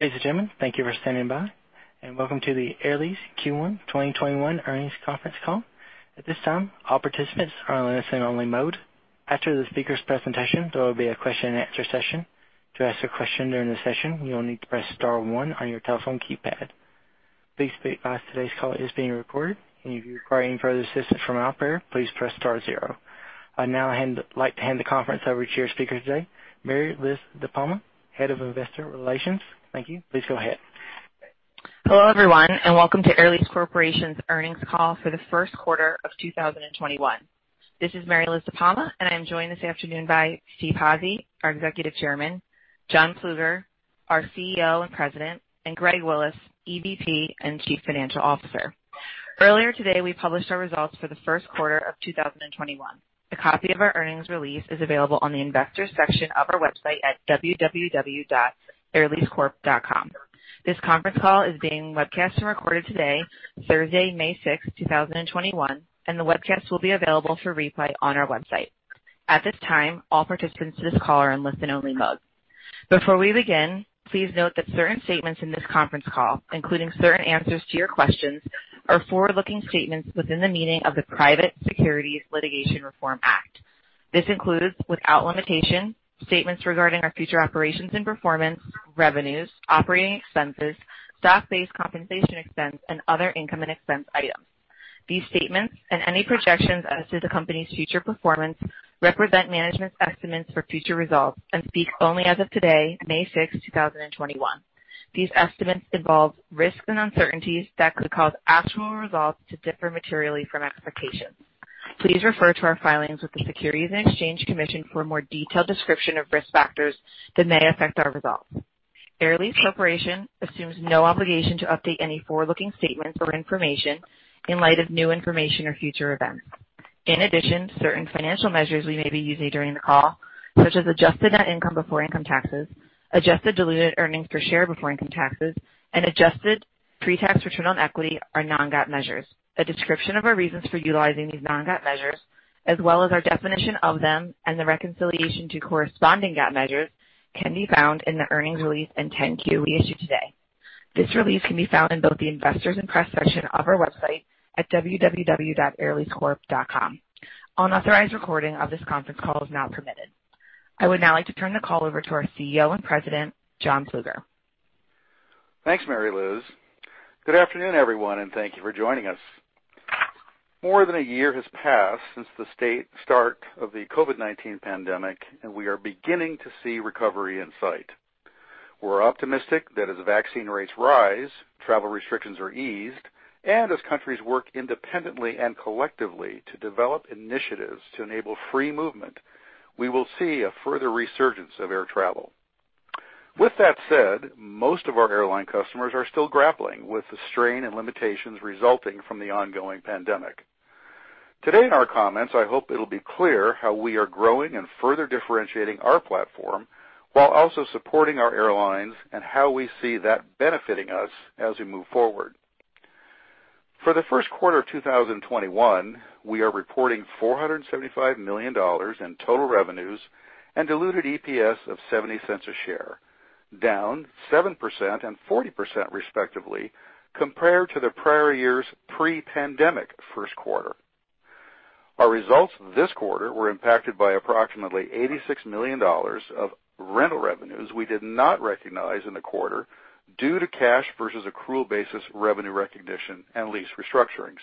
Ladies and gentlemen, thank you for standing by, and welcome to the Air Lease Q1 2021 earnings conference call. At this time, all participants are in a listen-only mode. After the speaker's presentation, there will be a question-and-answer session. To ask a question during the session, you'll need to press star one on your telephone keypad. Please be advised today's call is being recorded, and if you require any further assistance from an operator, please press star zero. I'd now like to hand the conference over to your speaker today, Mary Liz DePalma, Head of Investor Relations. Thank you. Please go ahead. Hello, everyone, and welcome to Air Lease Corporation's earnings call for the first quarter of 2021. This is Mary Liz DePalma, and I'm joined this afternoon by Steve Hazy, our Executive Chairman, John Plueger, our CEO and President, and Greg Willis, EVP and Chief Financial Officer. Earlier today, we published our results for the first quarter of 2021. A copy of our earnings release is available on the Investor section of our website at www.airleasecorp.com. This conference call is being webcast and recorded today, Thursday, May 6, 2021, and the webcast will be available for replay on our website. At this time, all participants to this call are in listen-only mode. Before we begin, please note that certain statements in this conference call, including certain answers to your questions, are forward-looking statements within the meaning of the Private Securities Litigation Reform Act. This includes, without limitation, statements regarding our future operations and performance, revenues, operating expenses, stock-based compensation expense, and other income and expense items. These statements and any projections as to the company's future performance represent management's estimates for future results and speak only as of today, May 6, 2021. These estimates involve risks and uncertainties that could cause actual results to differ materially from expectations. Please refer to our filings with the Securities and Exchange Commission for a more detailed description of risk factors that may affect our results. Air Lease Corporation assumes no obligation to update any forward-looking statements or information in light of new information or future events. In addition, certain financial measures we may be using during the call, such as adjusted net income before income taxes, adjusted diluted earnings per share before income taxes, and adjusted pre-tax return on equity are non-GAAP measures. A description of our reasons for utilizing these non-GAAP measures, as well as our definition of them and the reconciliation to corresponding GAAP measures, can be found in the earnings release and 10-Q release today. This release can be found in both the Investors and Press section of our website at www.airleasecorp.com. Unauthorized recording of this conference call is not permitted. I would now like to turn the call over to our CEO and President, John Plueger. Thanks, Mary Liz. Good afternoon, everyone, and thank you for joining us. More than a year has passed since the start of the COVID-19 pandemic, and we are beginning to see recovery in sight. We're optimistic that as vaccine rates rise, travel restrictions are eased, and as countries work independently and collectively to develop initiatives to enable free movement, we will see a further resurgence of air travel. With that said, most of our airline customers are still grappling with the strain and limitations resulting from the ongoing pandemic. Today, in our comments, I hope it'll be clear how we are growing and further differentiating our platform while also supporting our airlines and how we see that benefiting us as we move forward. For the first quarter of 2021, we are reporting $475 million in total revenues and diluted EPS of $0.70 a share, down 7% and 40% respectively compared to the prior year's pre-pandemic first quarter. Our results this quarter were impacted by approximately $86 million of rental revenues we did not recognize in the quarter due to cash versus accrual basis revenue recognition and lease restructurings.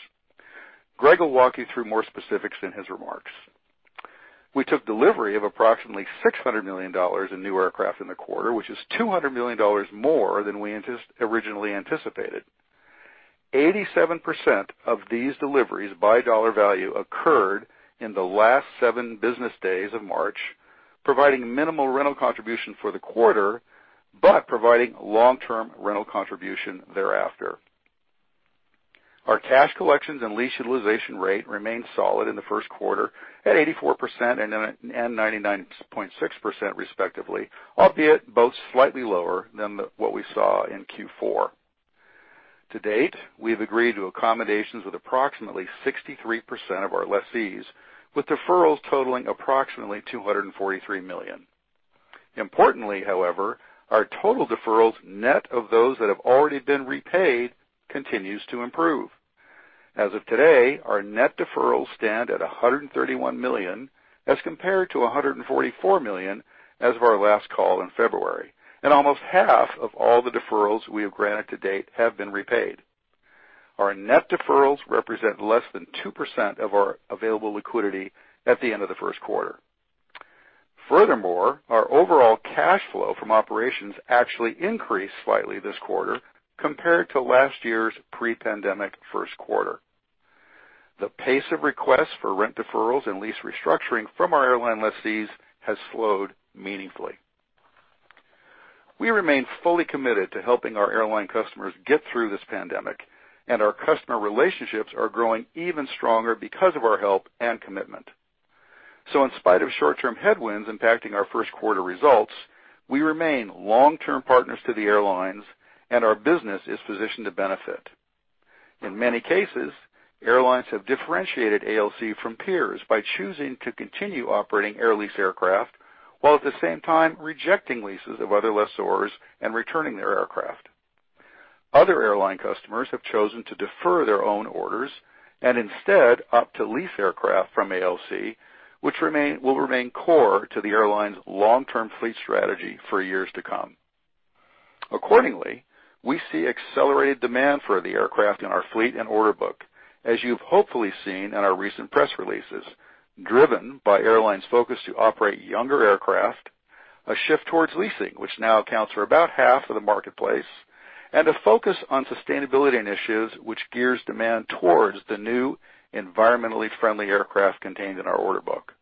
Greg will walk you through more specifics in his remarks. We took delivery of approximately $600 million in new aircraft in the quarter, which is $200 million more than we originally anticipated. 87% of these deliveries by dollar value occurred in the last seven business days of March, providing minimal rental contribution for the quarter but providing long-term rental contribution thereafter. Our cash collections and lease utilization rate remained solid in the first quarter at 84% and 99.6% respectively, albeit both slightly lower than what we saw in Q4. To date, we've agreed to accommodations with approximately 63% of our lessees, with deferrals totaling approximately $243 million. Importantly, however, our total deferrals net of those that have already been repaid continues to improve. As of today, our net deferrals stand at $131 million as compared to $144 million as of our last call in February, and almost half of all the deferrals we have granted to date have been repaid. Our net deferrals represent less than 2% of our available liquidity at the end of the first quarter. Furthermore, our overall cash flow from operations actually increased slightly this quarter compared to last year's pre-pandemic first quarter. The pace of requests for rent deferrals and lease restructuring from our airline lessees has slowed meaningfully. We remain fully committed to helping our airline customers get through this pandemic, and our customer relationships are growing even stronger because of our help and commitment. So, in spite of short-term headwinds impacting our first quarter results, we remain long-term partners to the airlines, and our business is positioned to benefit. In many cases, airlines have differentiated ALC from peers by choosing to continue operating Air Lease aircraft while at the same time rejecting leases of other lessors and returning their aircraft. Other airline customers have chosen to defer their own orders and instead opt to lease aircraft from ALC, which will remain core to the airline's long-term fleet strategy for years to come. Accordingly, we see accelerated demand for the aircraft in our fleet and order book, as you've hopefully seen in our recent press releases, driven by airlines' focus to operate younger aircraft, a shift towards leasing, which now accounts for about half of the marketplace, and a focus on sustainability initiatives, which gears demand towards the new environmentally friendly aircraft contained in our order book.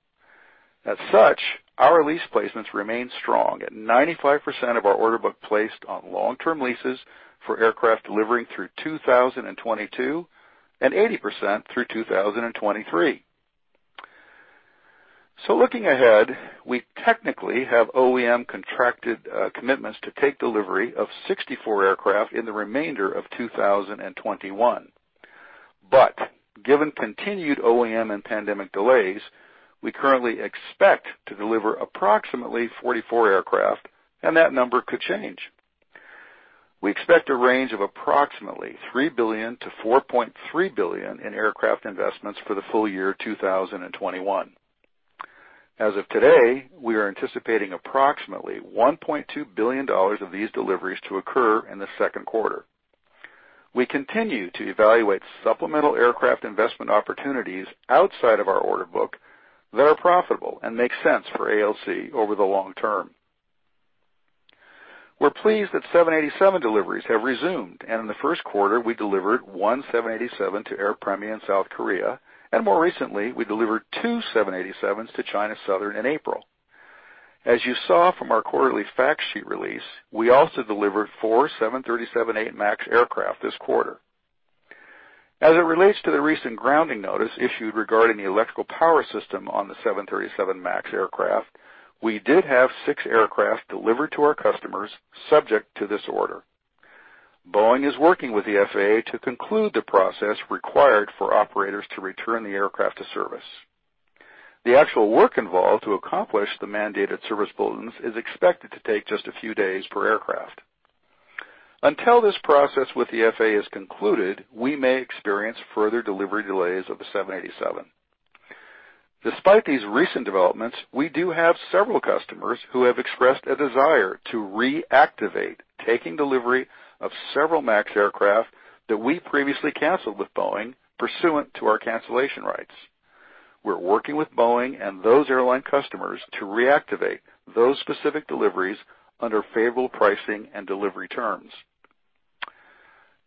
As such, our lease placements remain strong at 95% of our order book placed on long-term leases for aircraft delivering through 2022 and 80% through 2023. So, looking ahead, we technically have OEM contracted commitments to take delivery of 64 aircraft in the remainder of 2021. But given continued OEM and pandemic delays, we currently expect to deliver approximately 44 aircraft, and that number could change. We expect a range of approximately $3 billion-$4.3 billion in aircraft investments for the full year 2021. As of today, we are anticipating approximately $1.2 billion of these deliveries to occur in the second quarter. We continue to evaluate supplemental aircraft investment opportunities outside of our order book that are profitable and make sense for ALC over the long term. We're pleased that 787 deliveries have resumed, and in the first quarter, we delivered one 787 to Air Premia in South Korea, and more recently, we delivered two 787s to China Southern in April. As you saw from our quarterly fact sheet release, we also delivered four 737-8 MAX aircraft this quarter. As it relates to the recent grounding notice issued regarding the electrical power system on the 737 MAX aircraft, we did have six aircraft delivered to our customers subject to this order. Boeing is working with the FAA to conclude the process required for operators to return the aircraft to service. The actual work involved to accomplish the mandated service bulletins is expected to take just a few days per aircraft. Until this process with the FAA is concluded, we may experience further delivery delays of the 787. Despite these recent developments, we do have several customers who have expressed a desire to reactivate taking delivery of several MAX aircraft that we previously canceled with Boeing pursuant to our cancellation rights. We're working with Boeing and those airline customers to reactivate those specific deliveries under favorable pricing and delivery terms.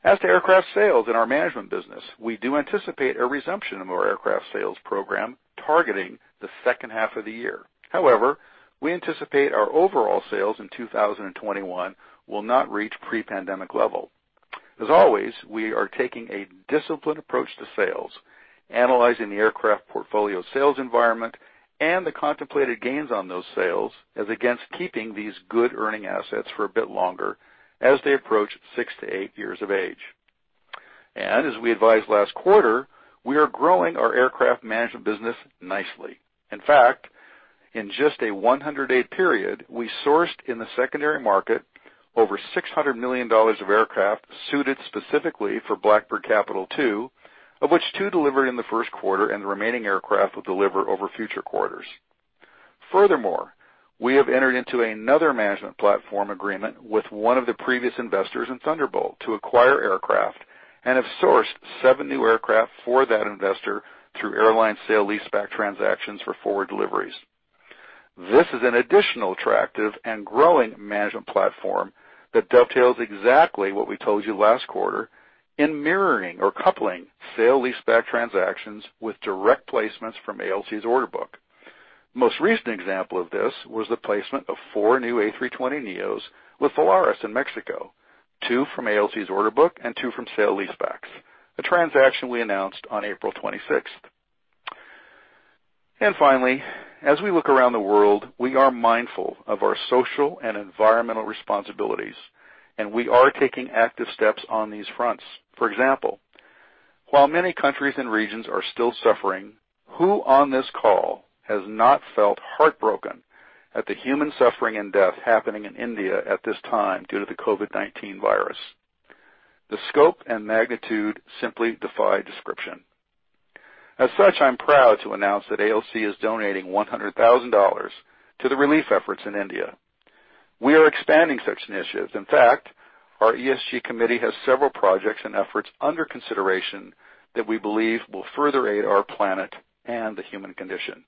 As to aircraft sales in our management business, we do anticipate a resumption of our aircraft sales program targeting the second half of the year. However, we anticipate our overall sales in 2021 will not reach pre-pandemic level. As always, we are taking a disciplined approach to sales, analyzing the aircraft portfolio sales environment and the contemplated gains on those sales as against keeping these good earning assets for a bit longer as they approach six-to-eight years of age. As we advised last quarter, we are growing our aircraft management business nicely. In fact, in just a 100-day period, we sourced in the secondary market over $600 million of aircraft suited specifically for Blackbird Capital II, of which two delivered in the first quarter and the remaining aircraft will deliver over future quarters. Furthermore, we have entered into another management platform agreement with one of the previous investors in Thunderbolt to acquire aircraft and have sourced seven new aircraft for that investor through airline sale-leaseback transactions for forward deliveries. This is an additional attractive and growing management platform that dovetails exactly what we told you last quarter in mirroring or coupling sale-leaseback transactions with direct placements from ALC's order book. Most recent example of this was the placement of four new A320neos with Volaris in Mexico, two from ALC's order book and two from sale-leasebacks, a transaction we announced on April 26th. And finally, as we look around the world, we are mindful of our social and environmental responsibilities, and we are taking active steps on these fronts. For example, while many countries and regions are still suffering, who on this call has not felt heartbroken at the human suffering and death happening in India at this time due to the COVID-19 virus? The scope and magnitude simply defy description. As such, I'm proud to announce that ALC is donating $100,000 to the relief efforts in India. We are expanding such initiatives. In fact, our ESG committee has several projects and efforts under consideration that we believe will further aid our planet and the human condition.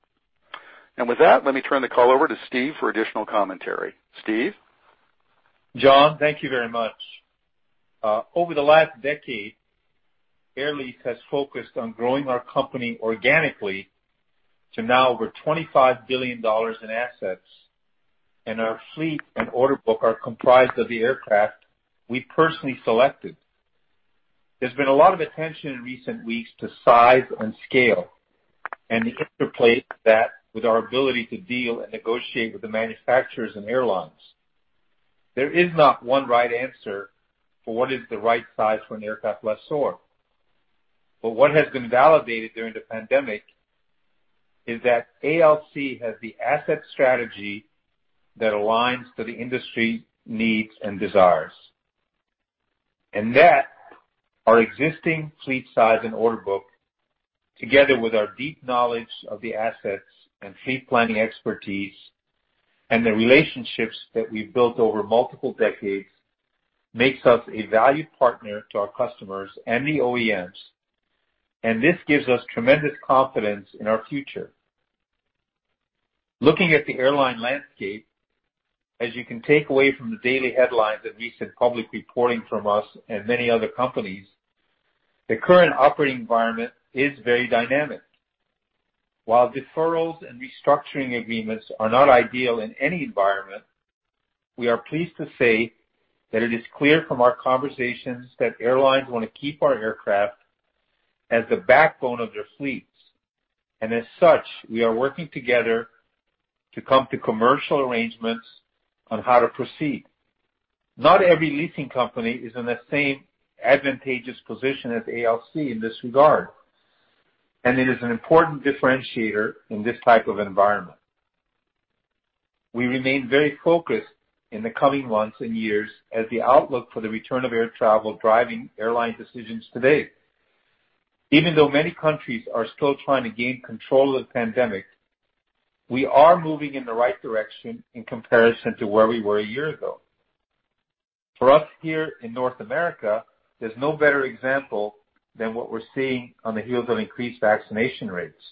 And with that, let me turn the call over to Steve for additional commentary. Steve? John, thank you very much. Over the last decade, Air Lease has focused on growing our company organically to now over $25 billion in assets, and our fleet and order book are comprised of the aircraft we personally selected. There's been a lot of attention in recent weeks to size and scale and the interplay of that with our ability to deal and negotiate with the manufacturers and airlines. There is not one right answer for what is the right size for an aircraft lessor, but what has been validated during the pandemic is that ALC has the asset strategy that aligns to the industry needs and desires. That, our existing fleet size and order book, together with our deep knowledge of the assets and fleet planning expertise and the relationships that we've built over multiple decades, makes us a valued partner to our customers and the OEMs, and this gives us tremendous confidence in our future. Looking at the airline landscape, as you can take away from the daily headlines and recent public reporting from us and many other companies, the current operating environment is very dynamic. While deferrals and restructuring agreements are not ideal in any environment, we are pleased to say that it is clear from our conversations that airlines want to keep our aircraft as the backbone of their fleets, and as such, we are working together to come to commercial arrangements on how to proceed. Not every leasing company is in the same advantageous position as ALC in this regard, and it is an important differentiator in this type of environment. We remain very focused in the coming months and years, as the outlook for the return of air travel driving airline decisions today. Even though many countries are still trying to gain control of the pandemic, we are moving in the right direction in comparison to where we were a year ago. For us here in North America, there's no better example than what we're seeing on the heels of increased vaccination rates.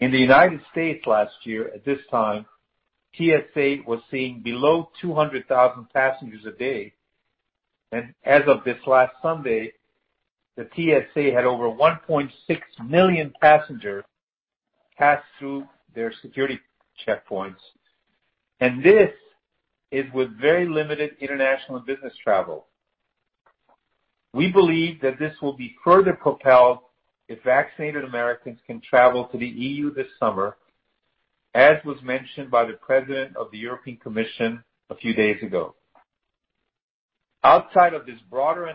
In the United States last year, at this time, TSA was seeing below 200,000 passengers a day, and as of this last Sunday, the TSA had over 1.6 million passengers pass through their security checkpoints, and this is with very limited international business travel. We believe that this will be further propelled if vaccinated Americans can travel to the EU this summer, as was mentioned by the President of the European Commission a few days ago. Outside of this broader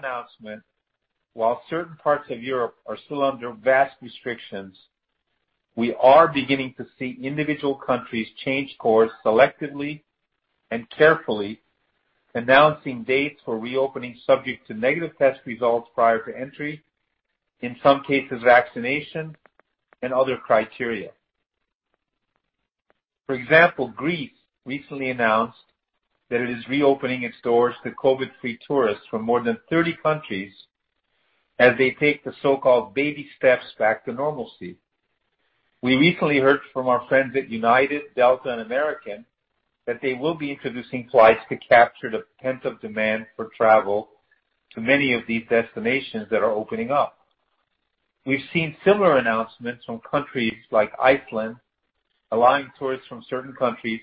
announcement, while certain parts of Europe are still under vast restrictions, we are beginning to see individual countries change course selectively and carefully, announcing dates for reopening subject to negative test results prior to entry, in some cases vaccination, and other criteria. For example, Greece recently announced that it is reopening its doors to COVID-free tourists from more than 30 countries as they take the so-called baby steps back to normalcy. We recently heard from our friends at United, Delta, and American that they will be introducing flights to capture the pent-up demand for travel to many of these destinations that are opening up. We've seen similar announcements from countries like Iceland allowing tourists from certain countries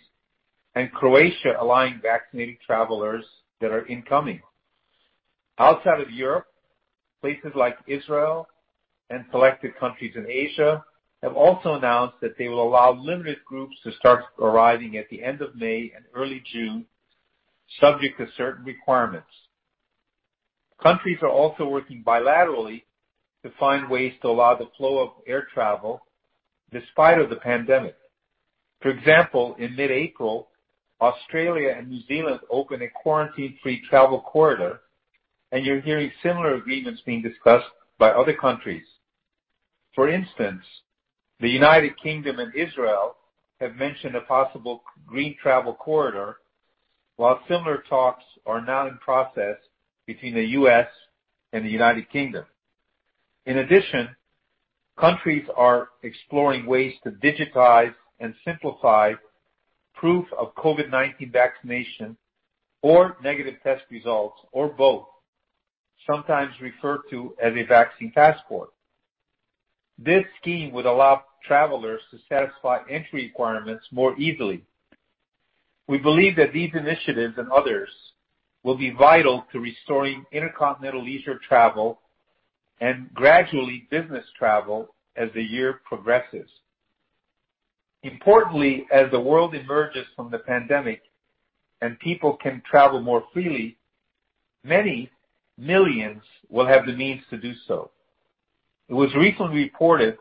and Croatia allowing vaccinated travelers that are incoming. Outside of Europe, places like Israel and selected countries in Asia have also announced that they will allow limited groups to start arriving at the end of May and early June, subject to certain requirements. Countries are also working bilaterally to find ways to allow the flow of air travel despite the pandemic. For example, in mid-April, Australia and New Zealand opened a quarantine-free travel corridor, and you're hearing similar agreements being discussed by other countries. For instance, the United Kingdom and Israel have mentioned a possible green travel corridor, while similar talks are now in process between the U.S. and the United Kingdom. In addition, countries are exploring ways to digitize and simplify proof of COVID-19 vaccination or negative test results or both, sometimes referred to as a vaccine passport. This scheme would allow travelers to satisfy entry requirements more easily. We believe that these initiatives and others will be vital to restoring intercontinental leisure travel and gradually business travel as the year progresses. Importantly, as the world emerges from the pandemic and people can travel more freely, many millions will have the means to do so. It was recently reported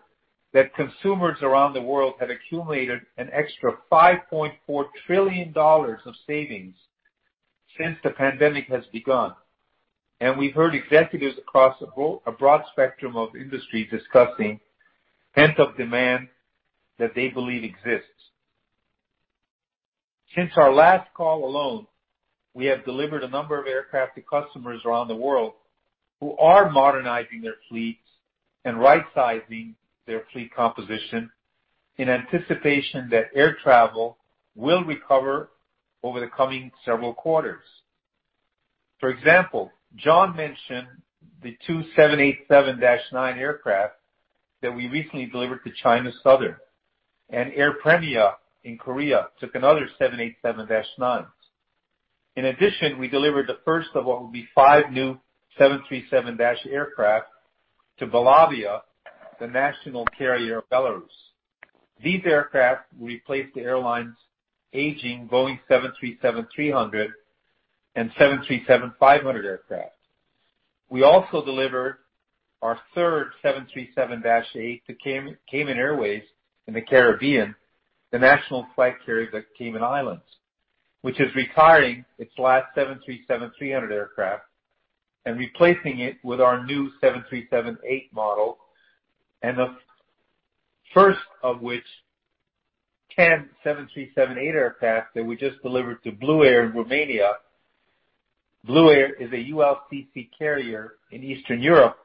that consumers around the world have accumulated an extra $5.4 trillion of savings since the pandemic has begun, and we've heard executives across a broad spectrum of industries discussing pent-up demand that they believe exists. Since our last call alone, we have delivered a number of aircraft to customers around the world who are modernizing their fleets and right-sizing their fleet composition in anticipation that air travel will recover over the coming several quarters. For example, John mentioned the two 787-9 aircraft that we recently delivered to China Southern, and Air Premia in Korea took another 787-9. In addition, we delivered the first of what will be five new 737-9 aircraft to Belavia, the national carrier of Belarus. These aircraft will replace the airline's aging Boeing 737-300 and 737-500 aircraft. We also delivered our third 737-8 to Cayman Airways in the Caribbean, the national flag carrier of the Cayman Islands, which is retiring its last 737-300 aircraft and replacing it with our new 737-8 model, and the first of ten 737-8 aircraft that we just delivered to Blue Air in Romania. Blue Air is a ULCC carrier in Eastern Europe,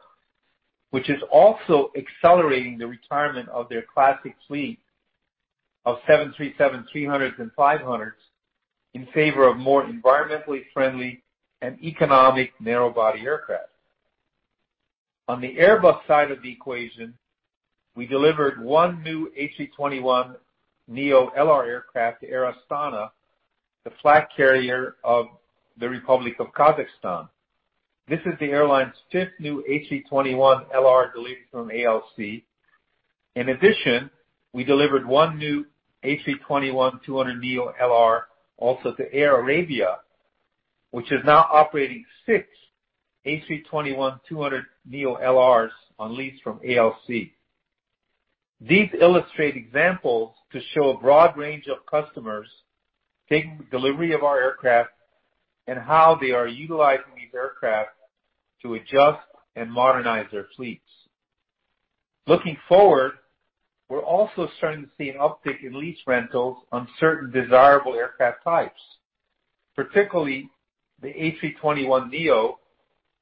which is also accelerating the retirement of their classic fleet of 737-300s and 500s in favor of more environmentally friendly and economic narrow-body aircraft. On the Airbus side of the equation, we delivered one new A321neo LR aircraft to Air Astana, the flag carrier of the Republic of Kazakhstan. This is the airline's fifth new A321LR delivered from ALC. In addition, we delivered one new A321-200neo LR also to Air Arabia, which is now operating six A321-200neo LRs on lease from ALC. These illustrate examples to show a broad range of customers taking delivery of our aircraft and how they are utilizing these aircraft to adjust and modernize their fleets. Looking forward, we're also starting to see an uptick in lease rentals on certain desirable aircraft types, particularly the A321neo,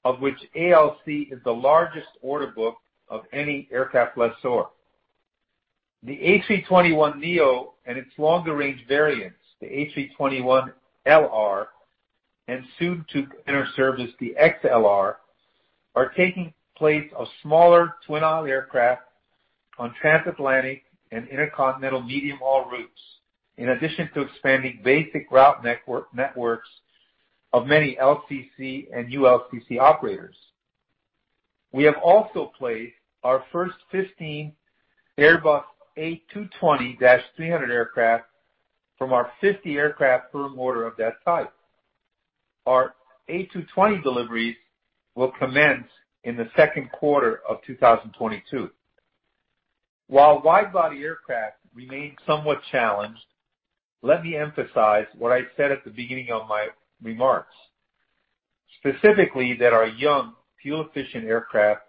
of which ALC is the largest order book of any aircraft lessor. The A321neo and its longer-range variants, the A321LR and soon to enter service the XLR, are taking the place of smaller twin-aisle aircraft on transatlantic and intercontinental medium-haul routes, in addition to expanding basic route networks of many LCC and ULCC operators. We have also placed our first 15 Airbus A220-300 aircraft from our 50-aircraft order of that type. Our A220 deliveries will commence in the second quarter of 2022. While wide-body aircraft remain somewhat challenged, let me emphasize what I said at the beginning of my remarks, specifically that our young, fuel-efficient aircraft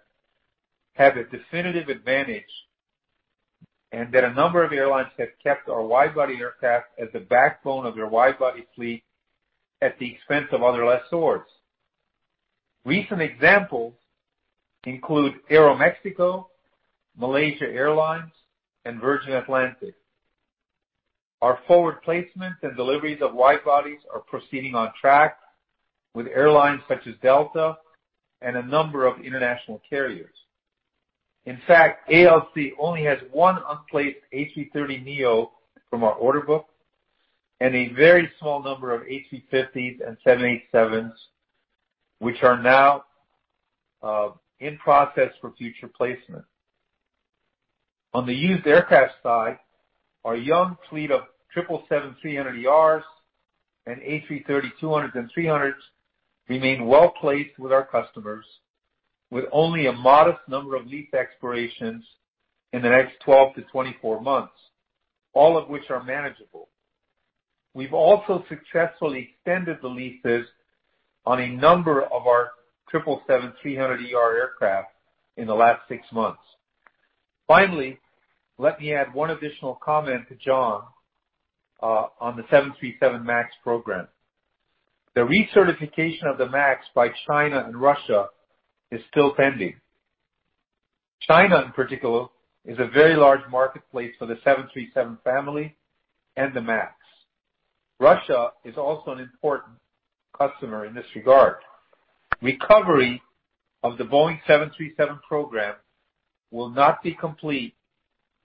have a definitive advantage and that a number of airlines have kept our wide-body aircraft as the backbone of their wide-body fleet at the expense of other lessors. Recent examples include Aeroméxico, Malaysia Airlines, and Virgin Atlantic. Our forward placements and deliveries of wide-bodies are proceeding on track with airlines such as Delta and a number of international carriers. In fact, ALC only has one unplaced A330neo from our order book and a very small number of A350s and 787s, which are now in process for future placement. On the used aircraft side, our young fleet of 777-300ERs and A330-200s and 300s remain well placed with our customers, with only a modest number of lease expirations in the next 12-24 months, all of which are manageable. We've also successfully extended the leases on a number of our 777-300ER aircraft in the last six months. Finally, let me add one additional comment to John on the 737 MAX program. The recertification of the MAX by China and Russia is still pending. China, in particular, is a very large marketplace for the 737 family and the MAX. Russia is also an important customer in this regard. Recovery of the Boeing 737 program will not be complete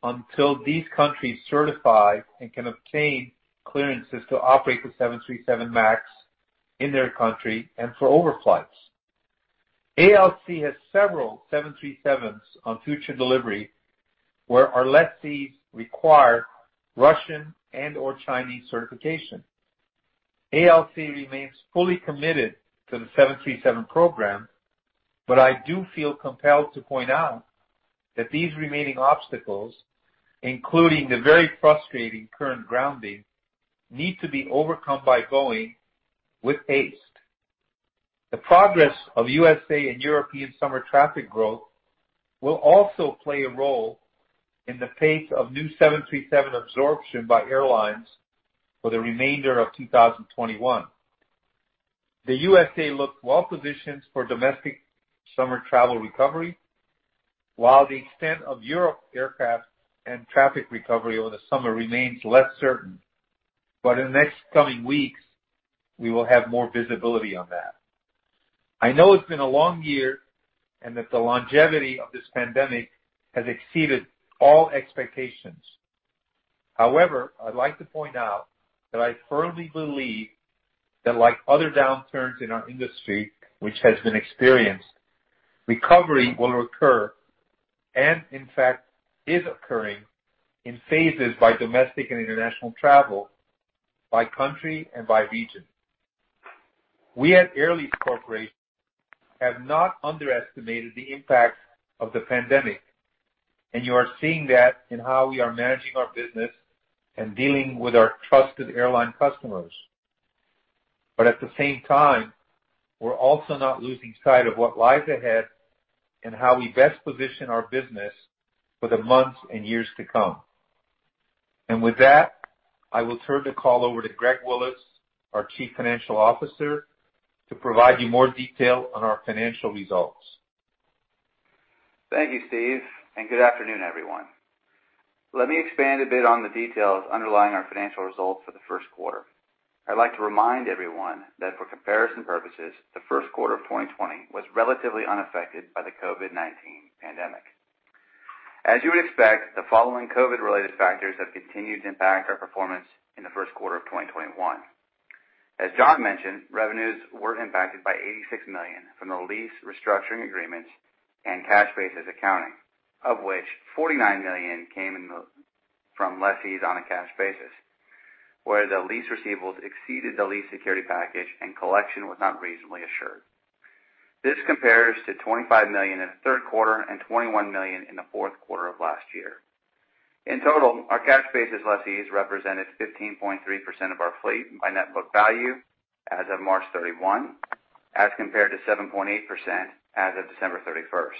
until these countries certify and can obtain clearances to operate the 737 MAX in their country and for overflights. ALC has several 737s on future delivery where our lessees require Russian and/or Chinese certification. ALC remains fully committed to the 737 program, but I do feel compelled to point out that these remaining obstacles, including the very frustrating current grounding, need to be overcome by Boeing with haste. The progress of U.S. and European summer traffic growth will also play a role in the pace of new 737 absorption by airlines for the remainder of 2021. The USA looks well positioned for domestic summer travel recovery, while the extent of European aircraft and traffic recovery over the summer remains less certain, but in the next coming weeks, we will have more visibility on that. I know it's been a long year and that the longevity of this pandemic has exceeded all expectations. However, I'd like to point out that I firmly believe that, like other downturns in our industry, which has been experienced, recovery will occur and, in fact, is occurring in phases by domestic and international travel by country and by region. We at Air Lease Corporation have not underestimated the impact of the pandemic, and you are seeing that in how we are managing our business and dealing with our trusted airline customers. But at the same time, we're also not losing sight of what lies ahead and how we best position our business for the months and years to come. And with that, I will turn the call over to Greg Willis, our Chief Financial Officer, to provide you more detail on our financial results. Thank you, Steve, and good afternoon, everyone. Let me expand a bit on the details underlying our financial results for the first quarter. I'd like to remind everyone that, for comparison purposes, the first quarter of 2020 was relatively unaffected by the COVID-19 pandemic. As you would expect, the following COVID-related factors have continued to impact our performance in the first quarter of 2021. As John mentioned, revenues were impacted by $86 million from the lease restructuring agreements and cash basis accounting, of which $49 million came from lessees on a cash basis, where the lease receivables exceeded the lease security package and collection was not reasonably assured. This compares to $25 million in the third quarter and $21 million in the fourth quarter of last year. In total, our cash basis lessees represented 15.3% of our fleet by net book value as of March 31, as compared to 7.8% as of December 31.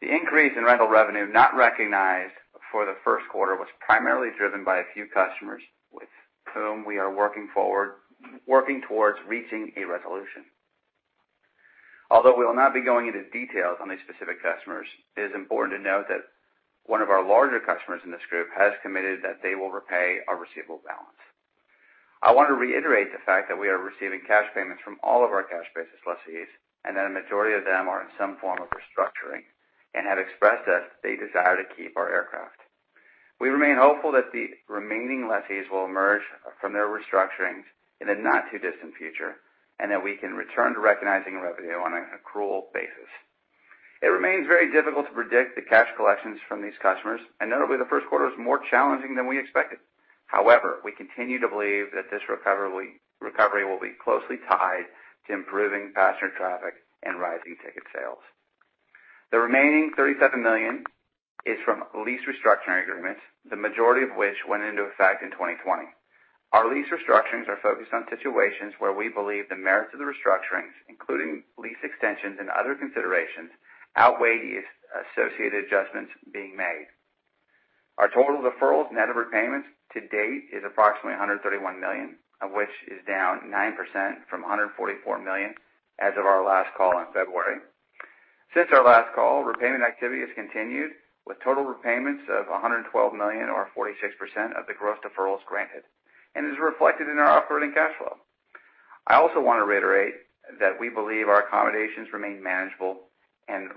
The increase in rental revenue not recognized for the first quarter was primarily driven by a few customers with whom we are working towards reaching a resolution. Although we will not be going into details on these specific customers, it is important to note that one of our larger customers in this group has committed that they will repay our receivable balance. I want to reiterate the fact that we are receiving cash payments from all of our cash basis lessees and that a majority of them are in some form of restructuring and have expressed that they desire to keep our aircraft. We remain hopeful that the remaining lessees will emerge from their restructurings in the not-too-distant future and that we can return to recognizing revenue on an accrual basis. It remains very difficult to predict the cash collections from these customers, and notably, the first quarter was more challenging than we expected. However, we continue to believe that this recovery will be closely tied to improving passenger traffic and rising ticket sales. The remaining $37 million is from lease restructuring agreements, the majority of which went into effect in 2020. Our lease restructurings are focused on situations where we believe the merits of the restructurings, including lease extensions and other considerations, outweigh the associated adjustments being made. Our total deferrals and net of repayments to date is approximately $131 million, of which is down 9% from $144 million as of our last call in February. Since our last call, repayment activity has continued with total repayments of $112 million, or 46% of the gross deferrals granted, and it is reflected in our operating cash flow. I also want to reiterate that we believe our accommodations remain manageable and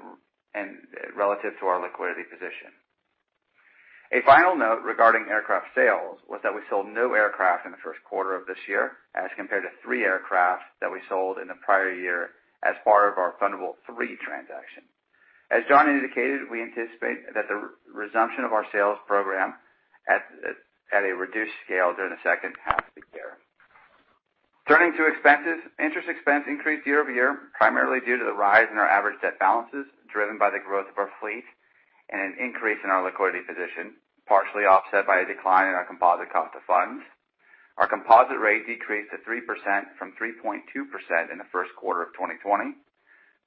relative to our liquidity position. A final note regarding aircraft sales was that we sold no aircraft in the first quarter of this year, as compared to three aircraft that we sold in the prior year as part of our Thunderbolt III transaction. As John indicated, we anticipate that the resumption of our sales program at a reduced scale during the second half of the year. Turning to expenses, interest expense increased year over year, primarily due to the rise in our average debt balances driven by the growth of our fleet and an increase in our liquidity position, partially offset by a decline in our composite cost of funds. Our composite rate decreased to 3% from 3.2% in the first quarter of 2020.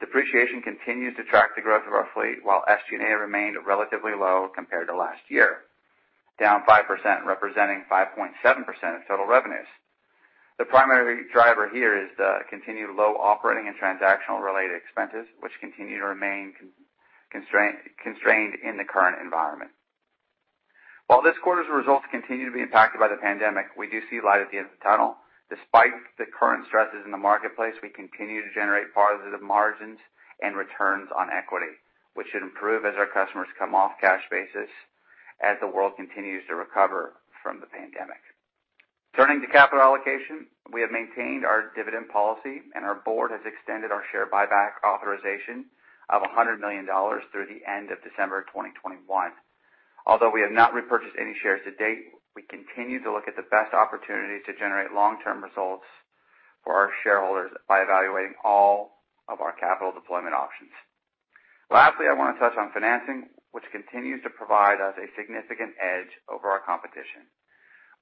Depreciation continues to track the growth of our fleet, while SG&A remained relatively low compared to last year, down 5%, representing 5.7% of total revenues. The primary driver here is the continued low operating and transactional-related expenses, which continue to remain constrained in the current environment. While this quarter's results continue to be impacted by the pandemic, we do see light at the end of the tunnel. Despite the current stresses in the marketplace, we continue to generate positive margins and returns on equity, which should improve as our customers come off cash basis as the world continues to recover from the pandemic. Turning to capital allocation, we have maintained our dividend policy, and our board has extended our share buyback authorization of $100 million through the end of December 2021. Although we have not repurchased any shares to date, we continue to look at the best opportunities to generate long-term results for our shareholders by evaluating all of our capital deployment options. Lastly, I want to touch on financing, which continues to provide us a significant edge over our competition.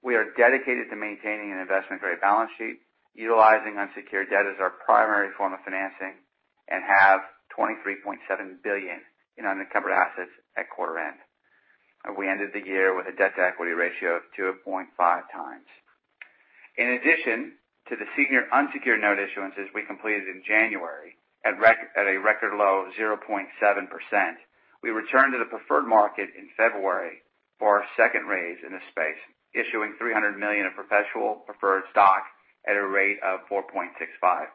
We are dedicated to maintaining an investment-grade balance sheet, utilizing unsecured debt as our primary form of financing, and have $23.7 billion in unencumbered assets at quarter end. We ended the year with a debt-to-equity ratio of 2.5 times. In addition to the senior unsecured note issuances we completed in January at a record low of 0.7%, we returned to the preferred market in February for our second raise in the space, issuing $300 million of perpetual preferred stock at a rate of 4.65%.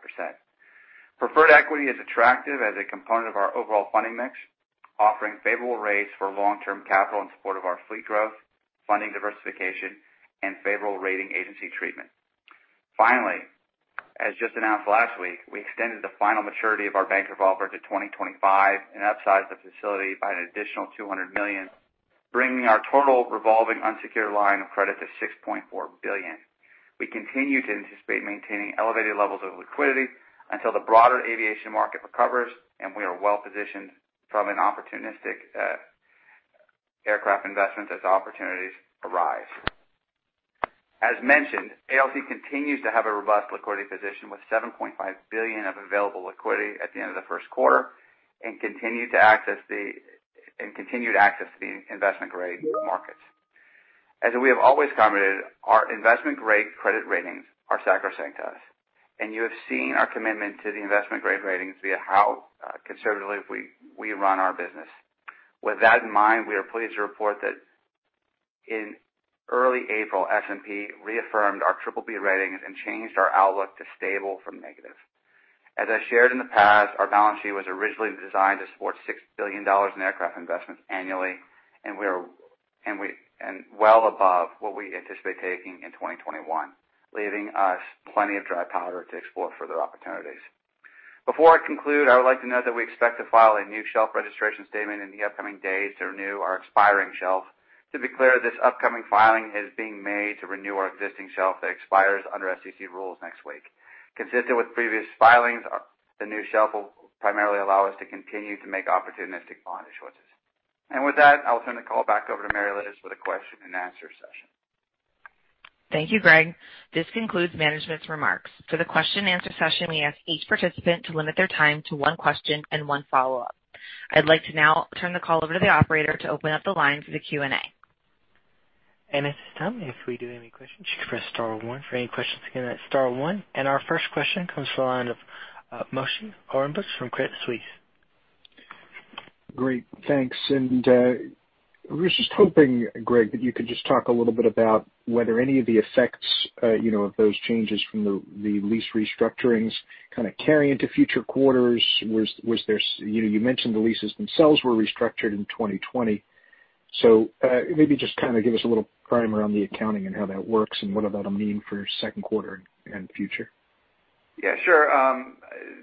Preferred equity is attractive as a component of our overall funding mix, offering favorable rates for long-term capital in support of our fleet growth, funding diversification, and favorable rating agency treatment. Finally, as just announced last week, we extended the final maturity of our bank revolver to 2025 and upsized the facility by an additional $200 million, bringing our total revolving unsecured line of credit to $6.4 billion. We continue to anticipate maintaining elevated levels of liquidity until the broader aviation market recovers, and we are well positioned from an opportunistic aircraft investment as opportunities arise. As mentioned, ALC continues to have a robust liquidity position with $7.5 billion of available liquidity at the end of the first quarter and continued access to the investment-grade markets. As we have always commented, our investment-grade credit ratings are sacrosanct to us, and you have seen our commitment to the investment-grade ratings via how conservatively we run our business. With that in mind, we are pleased to report that in early April, S&P reaffirmed our BBB ratings and changed our outlook to stable from negative. As I shared in the past, our balance sheet was originally designed to support $6 billion in aircraft investments annually, and we are well above what we anticipate taking in 2021, leaving us plenty of dry powder to explore further opportunities. Before I conclude, I would like to note that we expect to file a new shelf registration statement in the upcoming days to renew our expiring shelf. To be clear, this upcoming filing is being made to renew our existing shelf that expires under SEC rules next week. Consistent with previous filings, the new shelf will primarily allow us to continue to make opportunistic bond issuances. And with that, I will turn the call back over to Mary Liz with a question and answer session. Thank you, Greg. This concludes management's remarks. For the question and answer session, we ask each participant to limit their time to one question and one follow-up. I'd like to now turn the call over to the operator to open up the line for the Q&A. And at this time, if we do have any questions, you can press star one for any questions in that star one. And our first question comes from the line of Moshe Orenbuch from Credit Suisse. Great. Thanks. And we were just hoping, Greg, that you could just talk a little bit about whether any of the effects of those changes from the lease restructurings kind of carry into future quarters. You mentioned the leases themselves were restructured in 2020. So maybe just kind of give us a little primer on the accounting and how that works and what that'll mean for second quarter and future? Yeah, sure.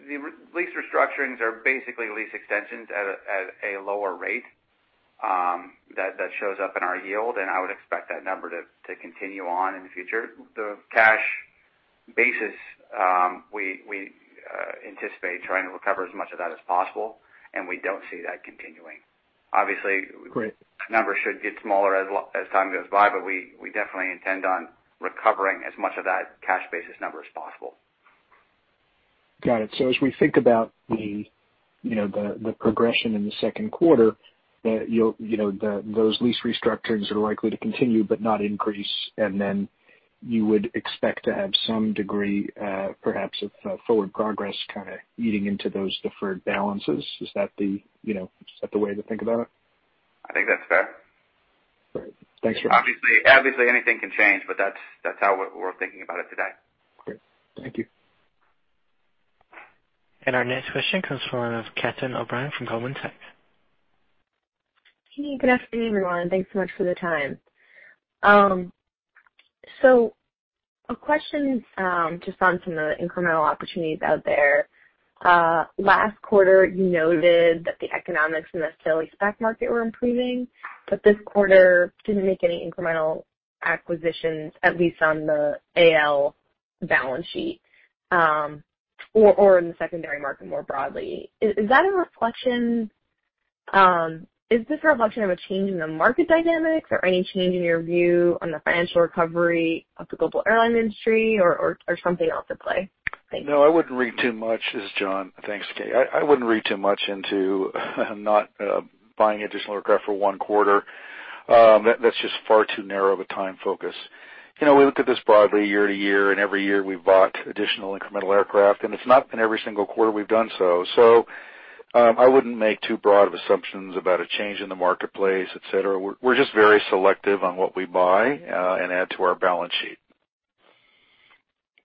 The lease restructurings are basically lease extensions at a lower rate that shows up in our yield, and I would expect that number to continue on in the future. The cash basis, we anticipate trying to recover as much of that as possible, and we don't see that continuing. Obviously, that number should get smaller as time goes by, but we definitely intend on recovering as much of that cash basis number as possible. Got it. So as we think about the progression in the second quarter, those lease restructurings are likely to continue but not increase, and then you would expect to have some degree, perhaps, of forward progress kind of eating into those deferred balances. Is that the way to think about it? I think that's fair. Great. Thanks for that. Obviously, anything can change, but that's how we're thinking about it today. Great. Thank you. And our next question comes from Catherine O'Brien from Goldman Sachs. Hey, good afternoon, everyone. Thanks so much for the time. So a question just on some of the incremental opportunities out there. Last quarter, you noted that the economics in the sale-leaseback market were improving, but this quarter didn't make any incremental acquisitions, at least on the AL balance sheet or in the secondary market more broadly. Is that a reflection? Is this a reflection of a change in the market dynamics or any change in your view on the financial recovery of the global airline industry or something else at play? No, I wouldn't read too much, as John thanks again. I wouldn't read too much into not buying additional aircraft for one quarter. That's just far too narrow of a time focus. We look at this broadly year to year, and every year we've bought additional incremental aircraft, and it's not been every single quarter we've done so. So I wouldn't make too broad of assumptions about a change in the marketplace, etc. We're just very selective on what we buy and add to our balance sheet.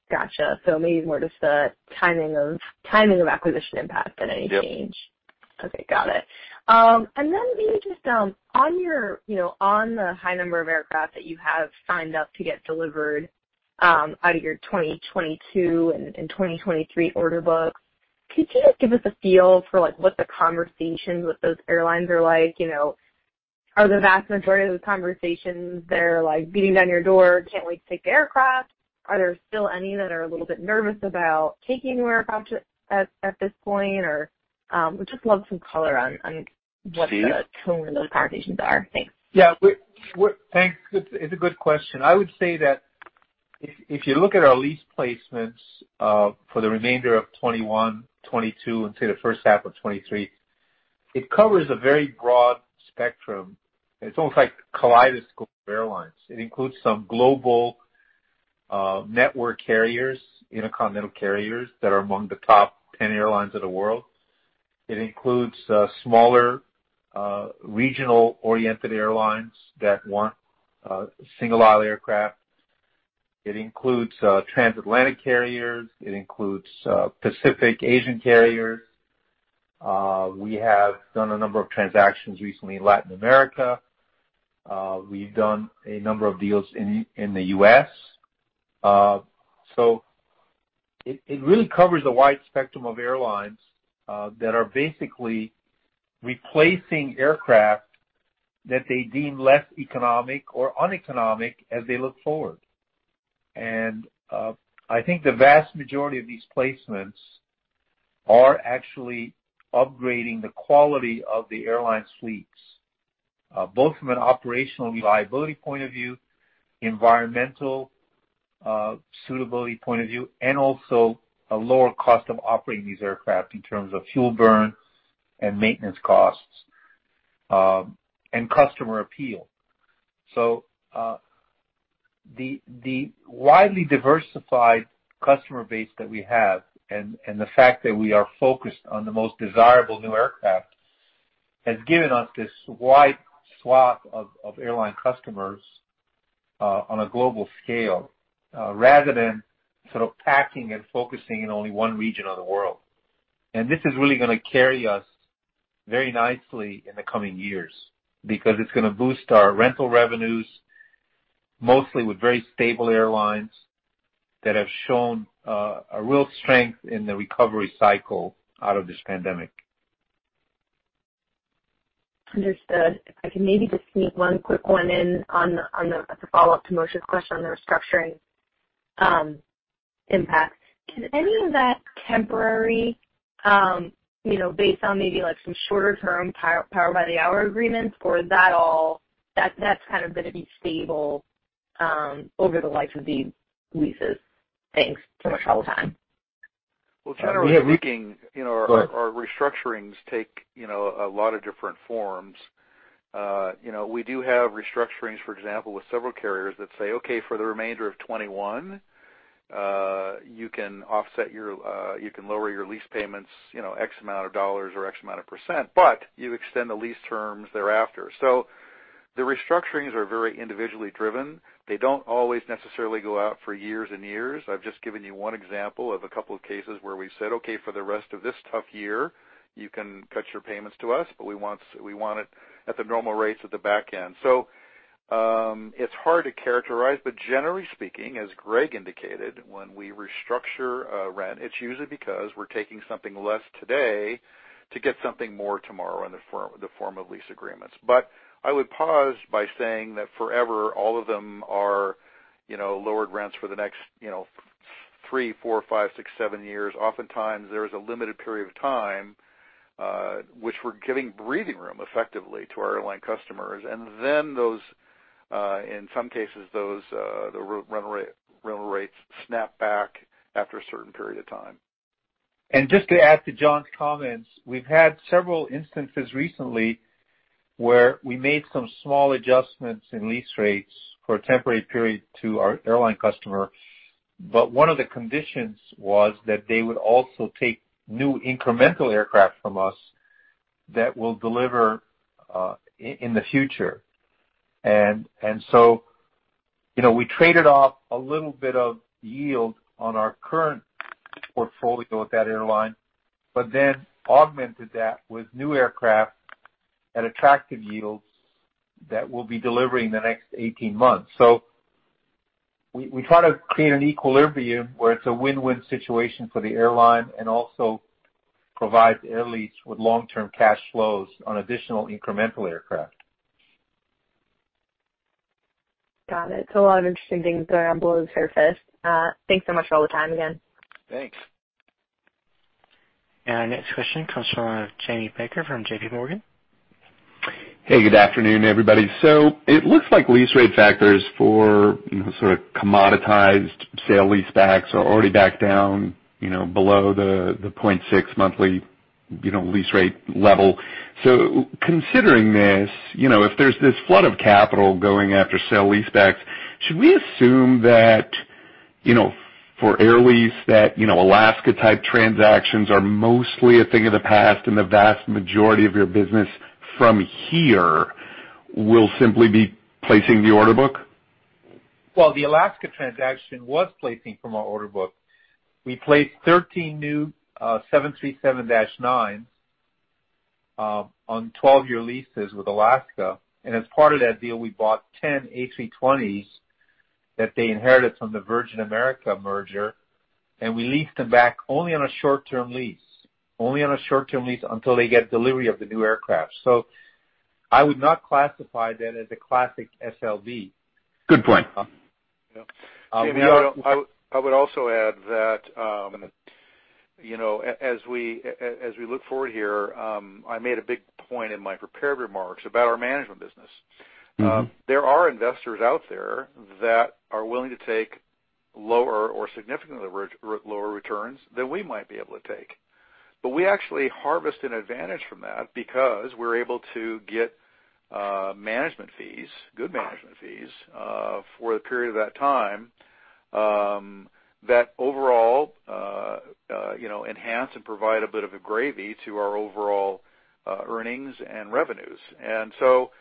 Gotcha. So maybe more just the timing of acquisition impact than any change. Yes. Okay. Got it. And then maybe just on the high number of aircraft that you have signed up to get delivered out of your 2022 and 2023 order books, could you just give us a feel for what the conversations with those airlines are like? Are the vast majority of the conversations they're beating down your door, "Can't wait to take the aircraft?" Are there still any that are a little bit nervous about taking the aircraft at this point? Or we'd just love some color on what the tone of those conversations are. Thanks. Yeah. It's a good question. I would say that if you look at our lease placements for the remainder of 2021, 2022, and say the first half of 2023, it covers a very broad spectrum. It's almost like Kaleidoscope Airlines. It includes some global network carriers, intercontinental carriers that are among the top 10 airlines of the world. It includes smaller regional-oriented airlines that want single-aisle aircraft. It includes transatlantic carriers. It includes Pacific Asian carriers. We have done a number of transactions recently in Latin America. We've done a number of deals in the U.S. So it really covers a wide spectrum of airlines that are basically replacing aircraft that they deem less economic or uneconomic as they look forward. And I think the vast majority of these placements are actually upgrading the quality of the airline fleets, both from an operational reliability point of view, environmental suitability point of view, and also a lower cost of operating these aircraft in terms of fuel burn and maintenance costs and customer appeal. So the widely diversified customer base that we have and the fact that we are focused on the most desirable new aircraft has given us this wide swath of airline customers on a global scale rather than sort of packing and focusing in only one region of the world. This is really going to carry us very nicely in the coming years because it's going to boost our rental revenues, mostly with very stable airlines that have shown a real strength in the recovery cycle out of this pandemic. Understood. If I can maybe just sneak one quick one in on the follow-up to Moshe's question on the restructuring impact. Is any of that temporary based on maybe some shorter-term power-by-the-hour agreements, or is that all that's kind of going to be stable over the life of these leases? Thanks so much for all the time. Generally, we think our restructurings take a lot of different forms. We do have restructurings, for example, with several carriers that say, "Okay, for the remainder of '21, you can lower your lease payments X amount of dollars or X amount of %, but you extend the lease terms thereafter." So the restructurings are very individually driven. They don't always necessarily go out for years and years. I've just given you one example of a couple of cases where we've said, "Okay, for the rest of this tough year, you can cut your payments to us, but we want it at the normal rates at the back end." So it's hard to characterize, but generally speaking, as Greg indicated, when we restructure rent, it's usually because we're taking something less today to get something more tomorrow in the form of lease agreements. But I would pause by saying that forever, all of them are lowered rents for the next three, four, five, six, seven years. Oftentimes, there is a limited period of time, which we're giving breathing room effectively to our airline customers. And then those, in some cases, those run rates snap back after a certain period of time. And just to add to John's comments, we've had several instances recently where we made some small adjustments in lease rates for a temporary period to our airline customer, but one of the conditions was that they would also take new incremental aircraft from us that will deliver in the future. And so we traded off a little bit of yield on our current portfolio at that airline, but then augmented that with new aircraft at attractive yields that will be delivering the next 18 months. So we try to create an equilibrium where it's a win-win situation for the airline and also provides Air Lease with long-term cash flows on additional incremental aircraft. Got it. So a lot of interesting things going on below the surface. Thanks so much for all the time again. Thanks. And our next question comes from Jamie Baker from J.P. Morgan. Hey, good afternoon, everybody. So it looks like lease rate factors for sort of commoditized sale-leasebacks are already back down below the 0.6 monthly lease rate level. So considering this, if there's this flood of capital going after sale-leasebacks, should we assume that for Air Lease that Alaska-type transactions are mostly a thing of the past and the vast majority of your business from here will simply be placing the order book? Well, the Alaska transaction was placing from our order book. We placed 13 new 737-9s on 12-year leases with Alaska. And as part of that deal, we bought 10 A320s that they inherited from the Virgin America merger, and we leased them back only on a short-term lease, only on a short-term lease until they get delivery of the new aircraft. So I would not classify that as a classic SLB. Good point. I would also add that as we look forward here. I made a big point in my prepared remarks about our management business. There are investors out there that are willing to take lower or significantly lower returns than we might be able to take. But we actually harvest an advantage from that because we're able to get management fees, good management fees for the period of that time that overall enhance and provide a bit of a gravy to our overall earnings and revenues. And so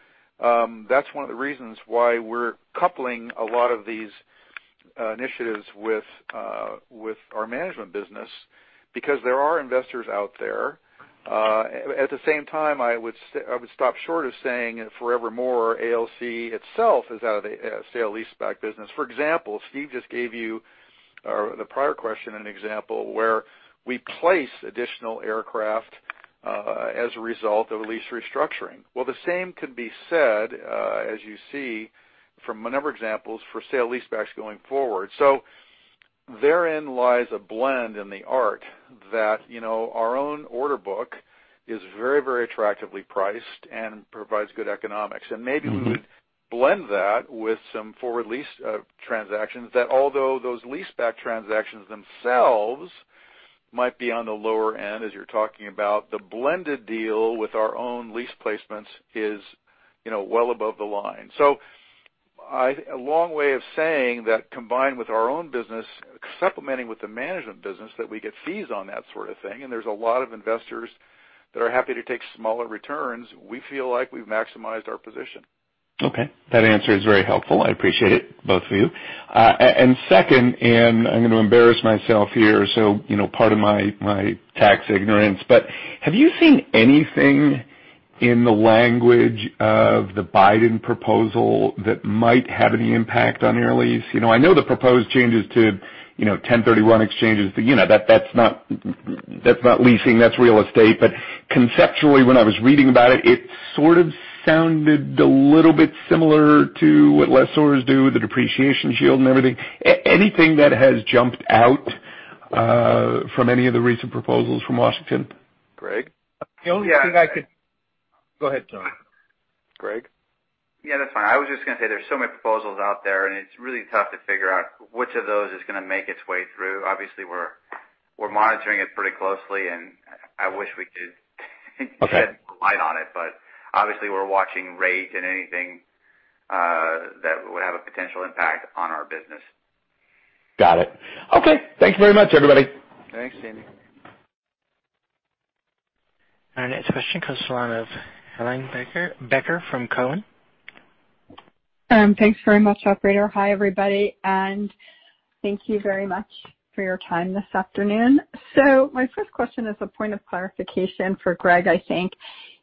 that's one of the reasons why we're coupling a lot of these initiatives with our management business because there are investors out there. At the same time, I would stop short of saying forevermore ALC itself is out of the sale-leaseback business. For example, Steve just gave you, in the prior question, an example where we place additional aircraft as a result of lease restructuring. Well, the same can be said, as you see, from a number of examples for sale-leasebacks going forward. So therein lies a blend in the art that our own order book is very, very attractively priced and provides good economics. And maybe we would blend that with some forward lease transactions that, although those lease back transactions themselves might be on the lower end, as you're talking about, the blended deal with our own lease placements is well above the line. So a long way of saying that combined with our own business, supplementing with the management business that we get fees on that sort of thing, and there's a lot of investors that are happy to take smaller returns, we feel like we've maximized our position. Okay. That answer is very helpful. I appreciate it, both of you. And second, and I'm going to embarrass myself here, so part of my tax ignorance, but have you seen anything in the language of the Biden proposal that might have any impact on Air Lease? I know the proposed changes to 1031 exchanges, but that's not leasing, that's real estate. But conceptually, when I was reading about it, it sort of sounded a little bit similar to what lessors do with the depreciation shield and everything. Anything that has jumped out from any of the recent proposals from Washington? Greg? The only thing I could go ahead, John. Greg? Yeah, that's fine. I was just going to say there's so many proposals out there, and it's really tough to figure out which of those is going to make its way through. Obviously, we're monitoring it pretty closely, and I wish we could shed more light on it, but obviously, we're watching rate and anything that would have a potential impact on our business. Got it. Okay. Thanks very much, everybody. Thanks, Jamie. And our next question comes from Helane Becker from Cowen. Thanks very much, operator. Hi, everybody. And thank you very much for your time this afternoon. My first question is a point of clarification for Greg, I think.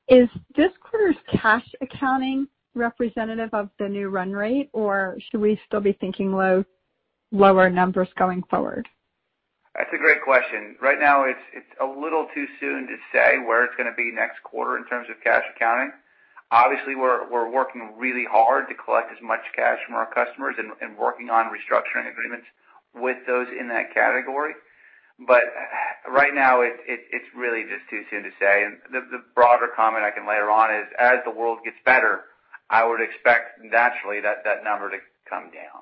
Is this quarter's cash accounting representative of the new run rate, or should we still be thinking lower numbers going forward? That's a great question. Right now, it's a little too soon to say where it's going to be next quarter in terms of cash accounting. Obviously, we're working really hard to collect as much cash from our customers and working on restructuring agreements with those in that category. But right now, it's really just too soon to say. And the broader comment I can layer on is, as the world gets better, I would expect naturally that number to come down.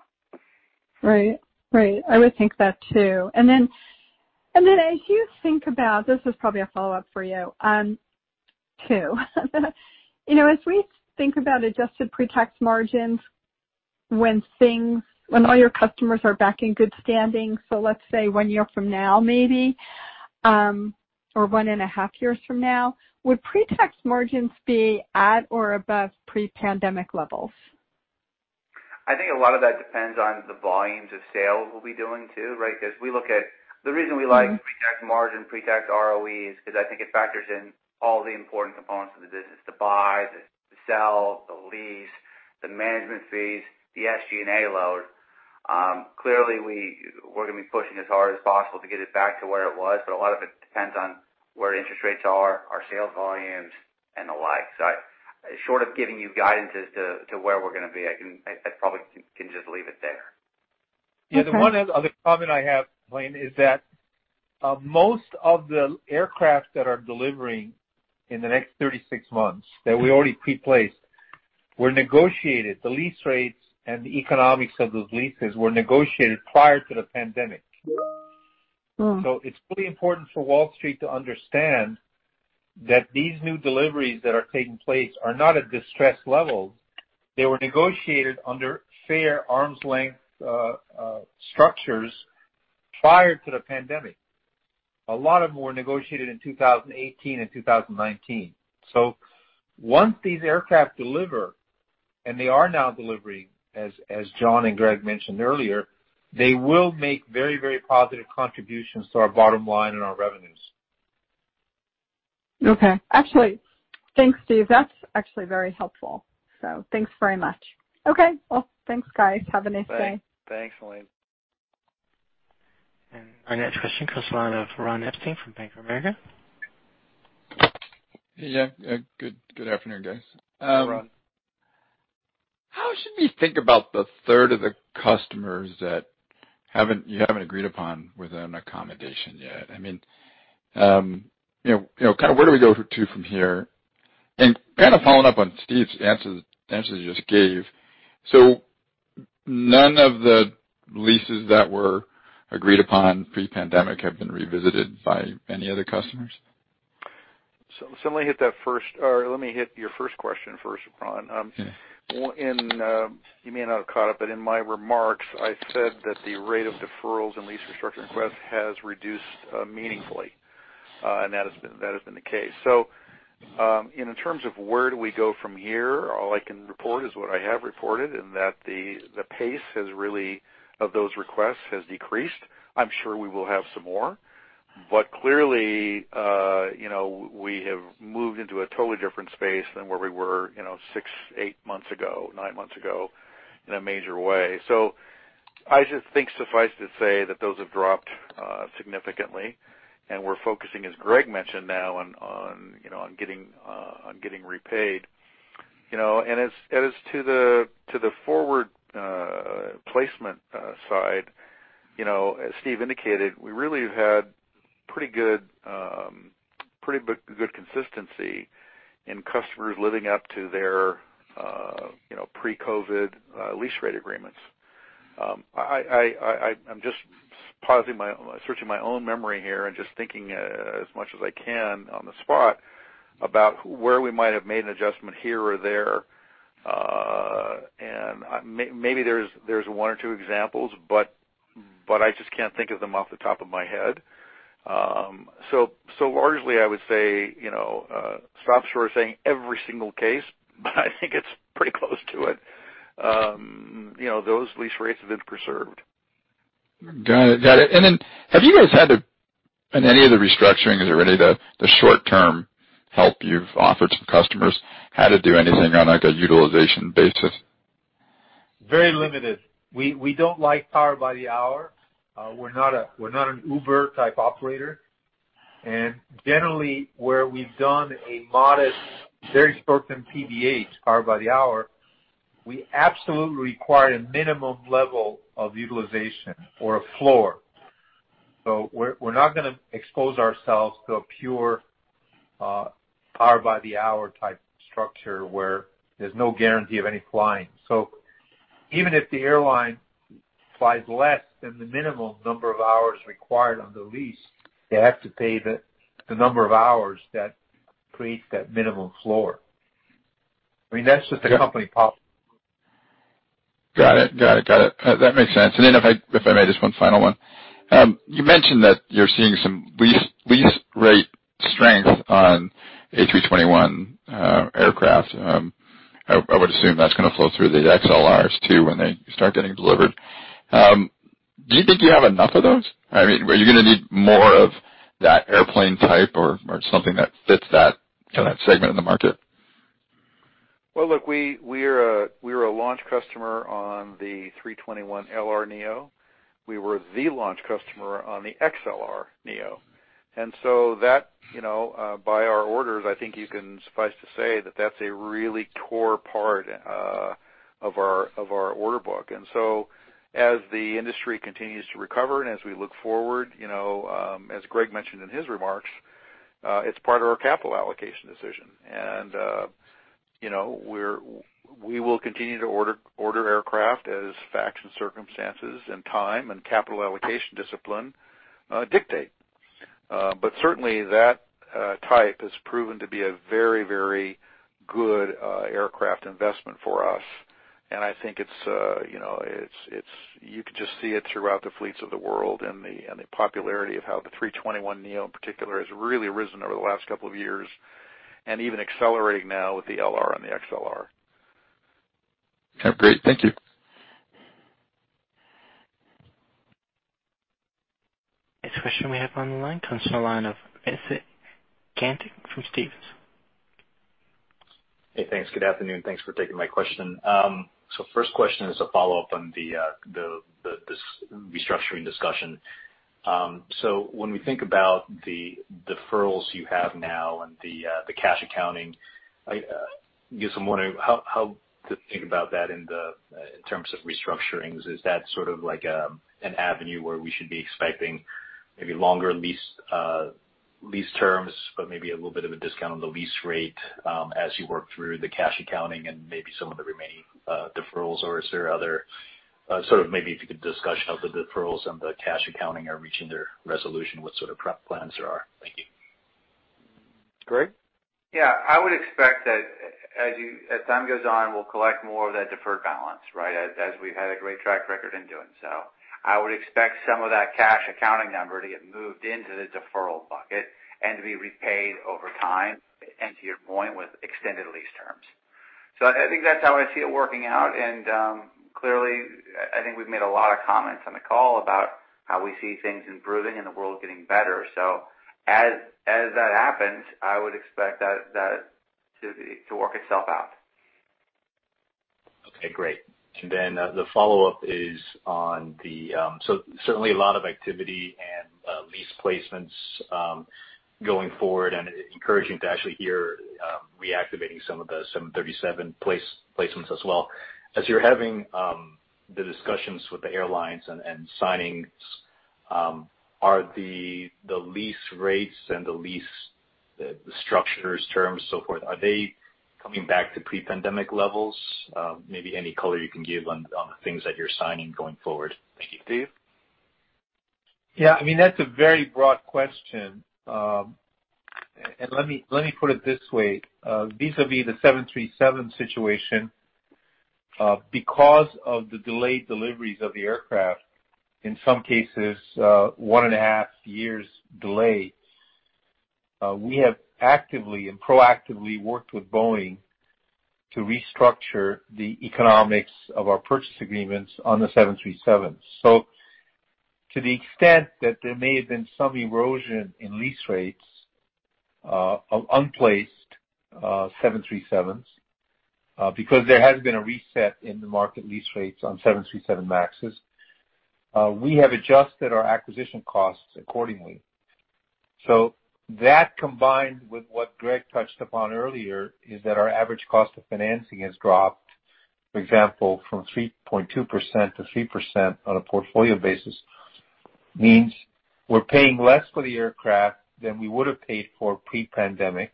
Right. Right. I would think that too. And then as you think about this is probably a follow-up for you too. As we think about adjusted pre-tax margins when all your customers are back in good standing, so let's say one year from now maybe or one and a half years from now, would pre-tax margins be at or above pre-pandemic levels? I think a lot of that depends on the volumes of sales we'll be doing too, right? Because we look at the reason we like pre-tax margin, pre-tax ROE is because I think it factors in all the important components of the business: the buys, the sell, the lease, the management fees, the SG&A load. Clearly, we're going to be pushing as hard as possible to get it back to where it was, but a lot of it depends on where interest rates are, our sales volumes, and the like. So short of giving you guidance as to where we're going to be, I probably can just leave it there. Yeah. The one other comment I have, Helane, is that most of the aircraft that are delivering in the next 36 months that we already pre-placed, the lease rates and the economics of those leases were negotiated prior to the pandemic. So it's really important for Wall Street to understand that these new deliveries that are taking place are not at distressed levels. They were negotiated under fair arm's length structures prior to the pandemic. A lot of them were negotiated in 2018 and 2019. So once these aircraft deliver, and they are now delivering, as John and Greg mentioned earlier, they will make very, very positive contributions to our bottom line and our revenues. Okay. Actually, thanks, Steve. That's actually very helpful. So thanks very much. Okay. Thanks, guys. Have a nice day. Thanks, hane. And our next question comes from Ron Epstein from Bank of America. Yeah. Good afternoon, guys. How should we think about the third of the customers that you haven't agreed upon with an accommodation yet? I mean, kind of where do we go to from here? And kind of following up on Steve's answers you just gave, so none of the leases that were agreed upon pre-pandemic have been revisited by any other customers? So let me hit that first or let me hit your first question first, Ron. You may not have caught it, but in my remarks, I said that the rate of deferrals and lease restructuring requests has reduced meaningfully, and that has been the case. So in terms of where do we go from here, all I can report is what I have reported, and that the pace of those requests has decreased. I'm sure we will have some more, but clearly, we have moved into a totally different space than where we were six, eight months ago, nine months ago in a major way. So I just think suffice to say that those have dropped significantly, and we're focusing, as Greg mentioned now, on getting repaid. And as to the forward placement side, as Steve indicated, we really have had pretty good consistency in customers living up to their pre-COVID lease rate agreements. I'm just searching my own memory here and just thinking as much as I can on the spot about where we might have made an adjustment here or there. Maybe there's one or two examples, but I just can't think of them off the top of my head. Largely, I would say stop short of saying every single case, but I think it's pretty close to it. Those lease rates have been preserved. Got it. Got it. Have you guys had any of the restructurings or any of the short-term help you've offered to customers had to do anything on a utilization basis? Very limited. We don't like power by the hour. We're not an Uber-type operator. Generally, where we've done a modest, very short-term PBH, power by the hour, we absolutely require a minimum level of utilization or a floor. We're not going to expose ourselves to a pure power by the hour type structure where there's no guarantee of any flying. So even if the airline flies less than the minimum number of hours required on the lease, they have to pay the number of hours that creates that minimum floor. I mean, that's just a company policy. Got it. That makes sense. And then if I may, just one final one. You mentioned that you're seeing some lease rate strength on A321 aircraft. I would assume that's going to flow through the XLRs too when they start getting delivered. Do you think you have enough of those? I mean, are you going to need more of that airplane type or something that fits that segment in the market? Well, look, we're a launch customer on the 321LR neo. We were the launch customer on the XLR neo. And so by our orders, I think you can suffice to say that that's a really core part of our order book. And so as the industry continues to recover and as we look forward, as Greg mentioned in his remarks, it's part of our capital allocation decision. And we will continue to order aircraft as facts and circumstances and time and capital allocation discipline dictate. But certainly, that type has proven to be a very, very good aircraft investment for us. And I think you can just see it throughout the fleets of the world and the popularity of how the 321neo in particular has really risen over the last couple of years and even accelerating now with the LR and the XLR. Okay. Great. Thank you. Next question we have on the line comes from Helane Becker from Cowen from Stephens. Hey, thanks. Good afternoon. Thanks for taking my question. So first question is a follow-up on the restructuring discussion. So when we think about the deferrals you have now and the cash accounting, I guess I'm wondering how to think about that in terms of restructurings. Is that sort of like an avenue where we should be expecting maybe longer lease terms, but maybe a little bit of a discount on the lease rate as you work through the cash accounting and maybe some of the remaining deferrals? Or is there other sort of maybe if you could discuss how the deferrals and the cash accounting are reaching their resolution, what sort of plans there are? Thank you. Greg? Yeah. I would expect that as time goes on, we'll collect more of that deferred balance, right, as we've had a great track record in doing so. I would expect some of that cash accounting number to get moved into the deferral bucket and to be repaid over time and, to your point, with extended lease terms. So I think that's how I see it working out. And clearly, I think we've made a lot of comments on the call about how we see things improving and the world getting better. So as that happens, I would expect that to work itself out. Okay. Great. And then the follow-up is on the so certainly a lot of activity and lease placements going forward and encouraging to actually hear reactivating some of the 737 placements as well. As you're having the discussions with the airlines and signings, are the lease rates and the lease structures, terms, so forth, are they coming back to pre-pandemic levels? Maybe any color you can give on the things that you're signing going forward. Thank you. Steve? Yeah. I mean, that's a very broad question. And let me put it this way. Vis-à-vis the 737 situation, because of the delayed deliveries of the aircraft, in some cases, one and a half years' delay, we have actively and proactively worked with Boeing to restructure the economics of our purchase agreements on the 737s. So to the extent that there may have been some erosion in lease rates of unplaced 737s, because there has been a reset in the market lease rates on 737 MAXs, we have adjusted our acquisition costs accordingly. So that combined with what Greg touched upon earlier is that our average cost of financing has dropped, for example, from 3.2% to 3% on a portfolio basis. That means we're paying less for the aircraft than we would have paid for pre-pandemic.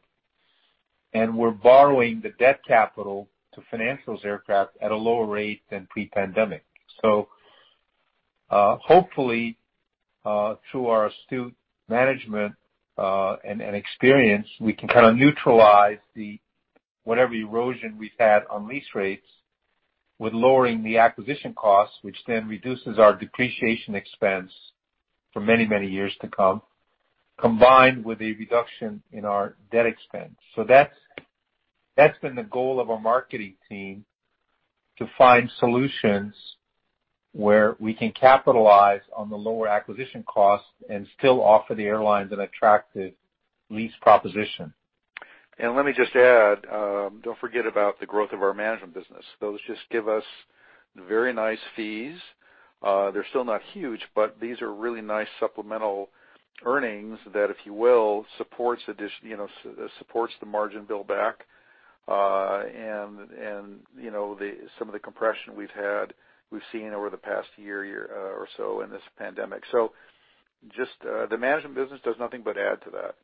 And we're borrowing the debt capital to finance those aircraft at a lower rate than pre-pandemic. So hopefully, through our astute management and experience, we can kind of neutralize whatever erosion we've had on lease rates with lowering the acquisition costs, which then reduces our depreciation expense for many, many years to come, combined with a reduction in our debt expense. So that's been the goal of our marketing team, to find solutions where we can capitalize on the lower acquisition costs and still offer the airlines an attractive lease proposition. And let me just add, don't forget about the growth of our management business. Those just give us very nice fees. They're still not huge, but these are really nice supplemental earnings that, if you will, support the margin build-back and some of the compression we've seen over the past year or so in this pandemic. So just the management business does nothing but add to that.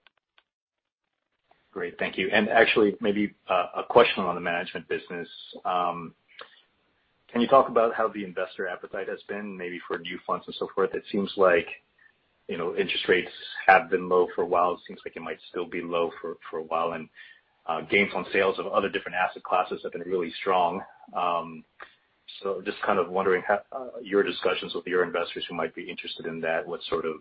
Great. Thank you. And actually, maybe a question on the management business. Can you talk about how the investor appetite has been maybe for new funds and so forth? It seems like interest rates have been low for a while. It seems like it might still be low for a while. And gains on sales of other different asset classes have been really strong. So just kind of wondering your discussions with your investors who might be interested in that, what sort of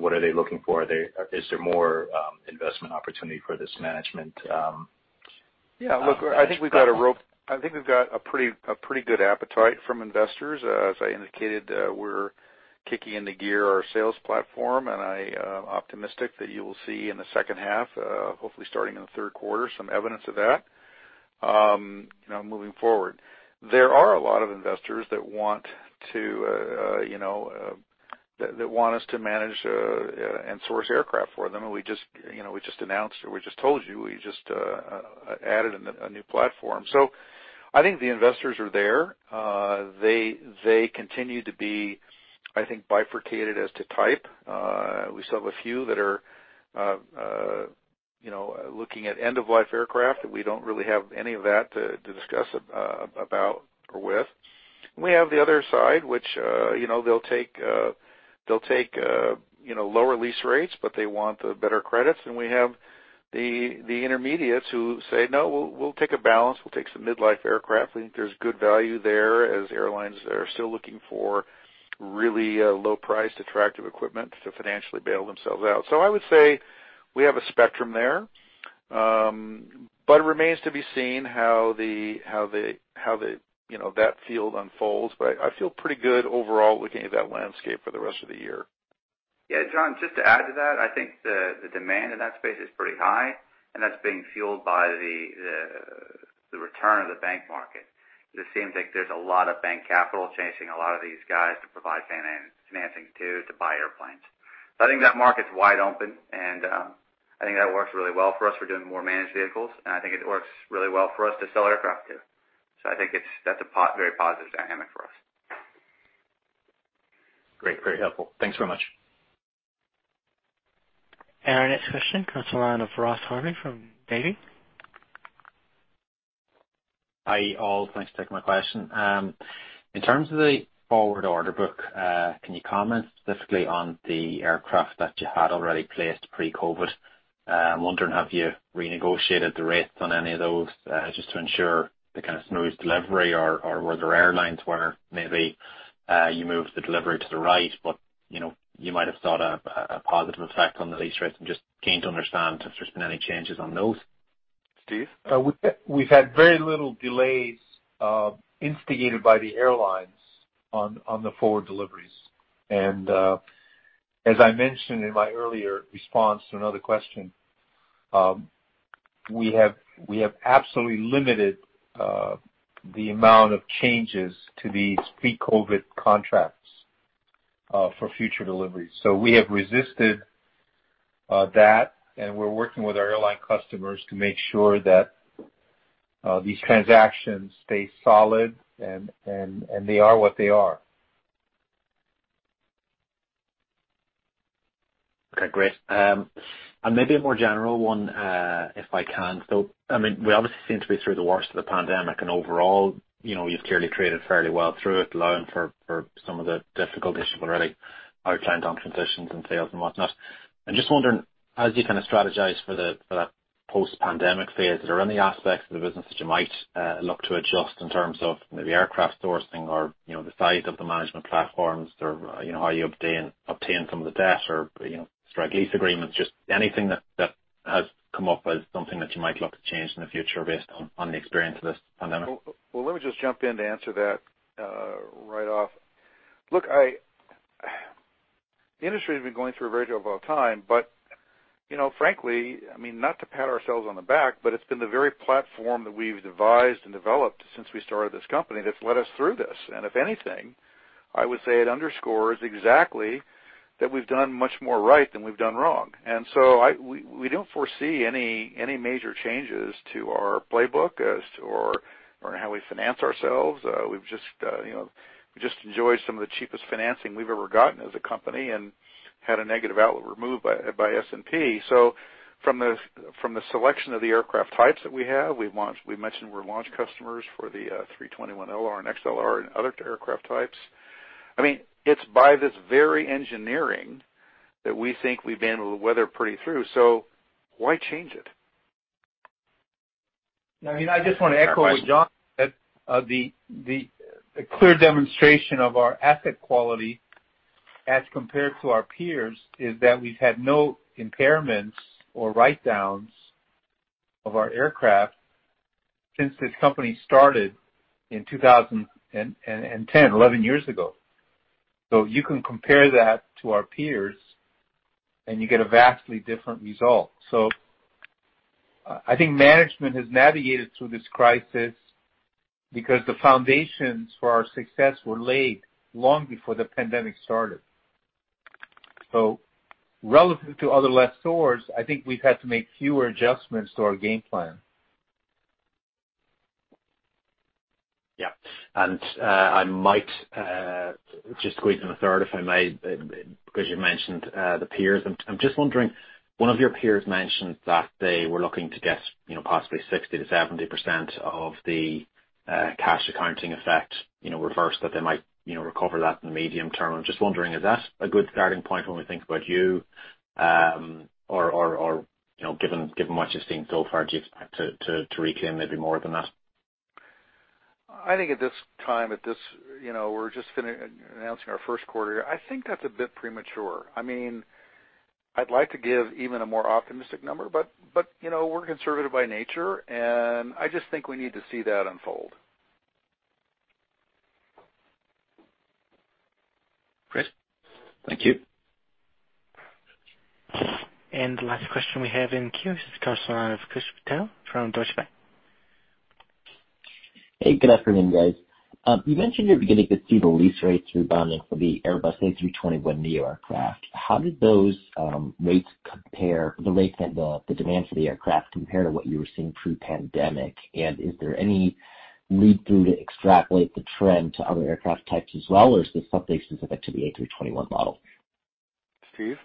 what are they looking for? Is there more investment opportunity for this management? Yeah. Look, I think we've got a pretty good appetite from investors. As I indicated, we're kicking into gear our sales platform, and I am optimistic that you will see in the second half, hopefully starting in the third quarter, some evidence of that moving forward. There are a lot of investors that want us to manage and source aircraft for them. And we just announced or we just told you we just added a new platform. So I think the investors are there. They continue to be, I think, bifurcated as to type. We still have a few that are looking at end-of-life aircraft, and we don't really have any of that to discuss about or with. And we have the other side, which they'll take lower lease rates, but they want the better credits. And we have the intermediates who say, "No, we'll take a balance. We'll take some mid-life aircraft." We think there's good value there as airlines are still looking for really low-priced, attractive equipment to financially bail themselves out. So I would say we have a spectrum there, but it remains to be seen how that field unfolds. But I feel pretty good overall looking at that landscape for the rest of the year. Yeah. John, just to add to that, I think the demand in that space is pretty high, and that's being fueled by the return of the bank market. It seems like there's a lot of bank capital chasing a lot of these guys to provide financing too to buy airplanes. So I think that market's wide open, and I think that works really well for us. We're doing more managed vehicles, and I think it works really well for us to sell aircraft too. So I think that's a very positive dynamic for us. Great. Very helpful. Thanks very much. And our next question comes from Ross Harvey from Davy. Hi, all. Thanks for taking my question. In terms of the forward order book, can you comment specifically on the aircraft that you had already placed pre-COVID? I'm wondering if you renegotiated the rates on any of those just to ensure the kind of smooth delivery or were there airlines where maybe you moved the delivery to the right, but you might have sought a positive effect on the lease rates and just want to understand if there's been any changes on those? Steve? We've had very little delays instigated by the airlines on the forward deliveries. As I mentioned in my earlier response to another question, we have absolutely limited the amount of changes to these pre-COVID contracts for future deliveries. We have resisted that, and we're working with our airline customers to make sure that these transactions stay solid, and they are what they are. Okay. Great. A maybe more general one if I can. I mean, we obviously seem to be through the worst of the pandemic, and overall, you've clearly traded fairly well through it, allowing for some of the difficult issues already outlined on transitions and sales and whatnot. I'm just wondering, as you kind of strategize for that post-pandemic phase, are there any aspects of the business that you might look to adjust in terms of maybe aircraft sourcing or the size of the management platforms or how you obtain some of the debt or strike lease agreements? Just anything that has come up as something that you might look to change in the future based on the experience of this pandemic? Well, let me just jump in to answer that right off. Look, the industry has been going through a very difficult time, but frankly, I mean, not to pat ourselves on the back, but it's been the very platform that we've devised and developed since we started this company that's led us through this. And if anything, I would say it underscores exactly that we've done much more right than we've done wrong. And so we don't foresee any major changes to our playbook or how we finance ourselves. We've just enjoyed some of the cheapest financing we've ever gotten as a company and had a negative outlook removed by S&P. So from the selection of the aircraft types that we have, we mentioned we're launch customers for the 321LR and XLR and other aircraft types. I mean, it's by this very engineering that we think we've been able to weather pretty through. So why change it? I mean, I just want to echo what John said. The clear demonstration of our asset quality as compared to our peers is that we've had no impairments or write-downs of our aircraft since this company started in 2010, 11 years ago. So you can compare that to our peers, and you get a vastly different result. So I think management has navigated through this crisis because the foundations for our success were laid long before the pandemic started. So relative to other lessors, I think we've had to make fewer adjustments to our game plan. Yeah. And I might just squeeze in a third, if I may, because you mentioned the peers. I'm just wondering, one of your peers mentioned that they were looking to get possibly 60%-70% of the cash accounting effect reversed, that they might recover that in the medium term. I'm just wondering, is that a good starting point when we think about you? Or given what you've seen so far, do you expect to reclaim maybe more than that? I think at this time we're just announcing our first quarter year. I think that's a bit premature. I mean, I'd like to give even a more optimistic number, but we're conservative by nature, and I just think we need to see that unfold. Great. Thank you. And the last question we have in queue is coming from Hillary Cacanando from Deutsche Bank. Hey. Good afternoon, guys. You mentioned you're beginning to see the lease rates rebounding for the Airbus A321neo aircraft. How did those rates compare the rates and the demand for the aircraft compared to what you were seeing pre-pandemic? And is there any lead through to extrapolate the trend to other aircraft types as well, or is this something specific to the A321 model? Steve?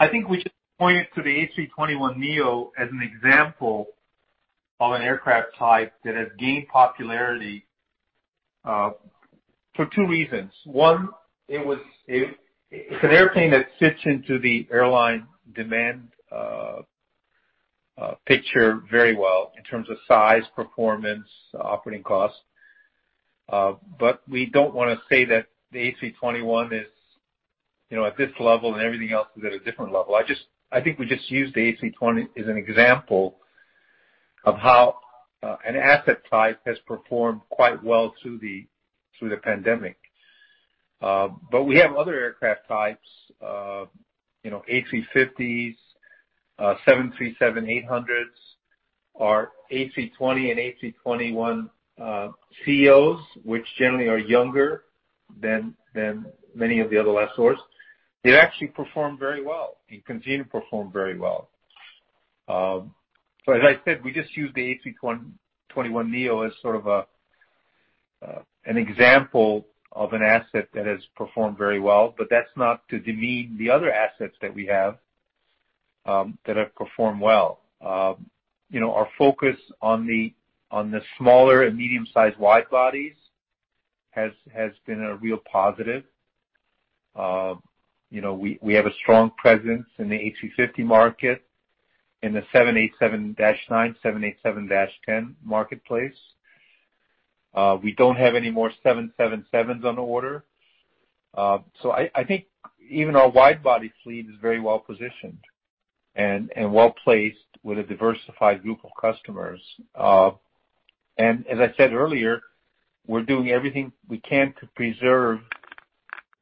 I think we should point to the A321neo as an example of an aircraft type that has gained popularity for two reasons. One, it's an airplane that fits into the airline demand picture very well in terms of size, performance, operating costs. But we don't want to say that the A321 is at this level and everything else is at a different level. I think we just use the A320 as an example of how an asset type has performed quite well through the pandemic. But we have other aircraft types, A350s, 737-800s, our A320 and A321 ceos, which generally are younger than many of the other lessors. They've actually performed very well and continue to perform very well. So as I said, we just use the A321neo as sort of an example of an asset that has performed very well, but that's not to demean the other assets that we have that have performed well. Our focus on the smaller and medium-sized wide bodies has been a real positive. We have a strong presence in the A350 market in the 787-9, 787-10 marketplace. We don't have any more 777s on order. So I think even our wide body fleet is very well positioned and well placed with a diversified group of customers. As I said earlier, we're doing everything we can to preserve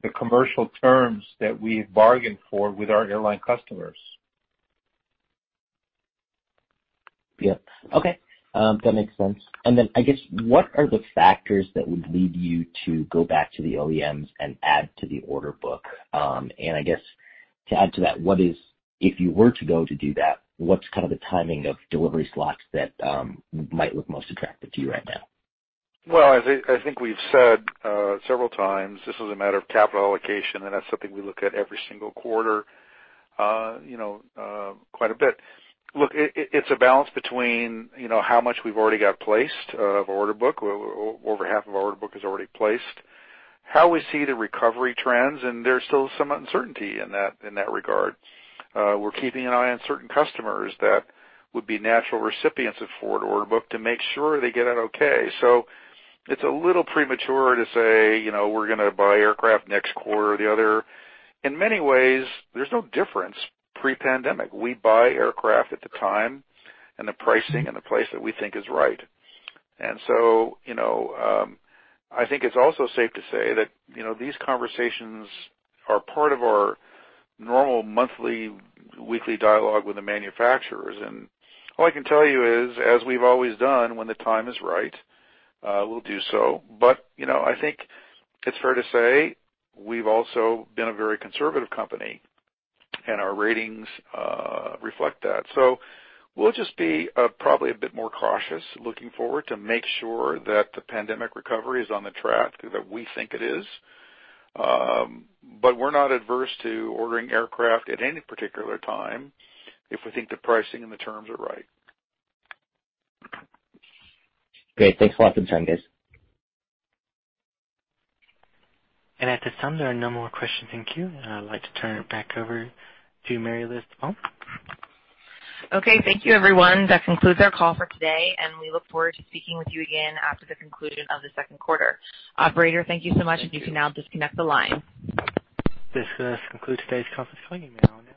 the commercial terms that we have bargained for with our airline customers. Yeah. Okay. That makes sense. Then I guess, what are the factors that would lead you to go back to the OEMs and add to the order book? And I guess to add to that, if you were to go to do that, what's kind of the timing of delivery slots that might look most attractive to you right now? As I think we've said several times, this is a matter of capital allocation, and that's something we look at every single quarter quite a bit. Look, it's a balance between how much we've already got placed of order book. Over half of our order book is already placed. How we see the recovery trends, and there's still some uncertainty in that regard. We're keeping an eye on certain customers that would be natural recipients of forward order book to make sure they get it okay. So it's a little premature to say, "We're going to buy aircraft next quarter or the other." In many ways, there's no difference pre-pandemic. We buy aircraft at the time and the pricing and the place that we think is right. And so I think it's also safe to say that these conversations are part of our normal monthly, weekly dialogue with the manufacturers. And all I can tell you is, as we've always done, when the time is right, we'll do so. But I think it's fair to say we've also been a very conservative company, and our ratings reflect that. So we'll just be probably a bit more cautious looking forward to make sure that the pandemic recovery is on the track that we think it is. But we're not adverse to ordering aircraft at any particular time if we think the pricing and the terms are right. Great. Thanks a lot for the time, guys. And at this time, there are no more questions. Thank you. And I'd like to turn it back over to Mary Liz DePalma. Okay. Thank you, everyone. That concludes our call for today, and we look forward to speaking with you again after the conclusion of the second quarter. Operator, thank you so much, and you can now disconnect the line. This does conclude today's conference call. You may now.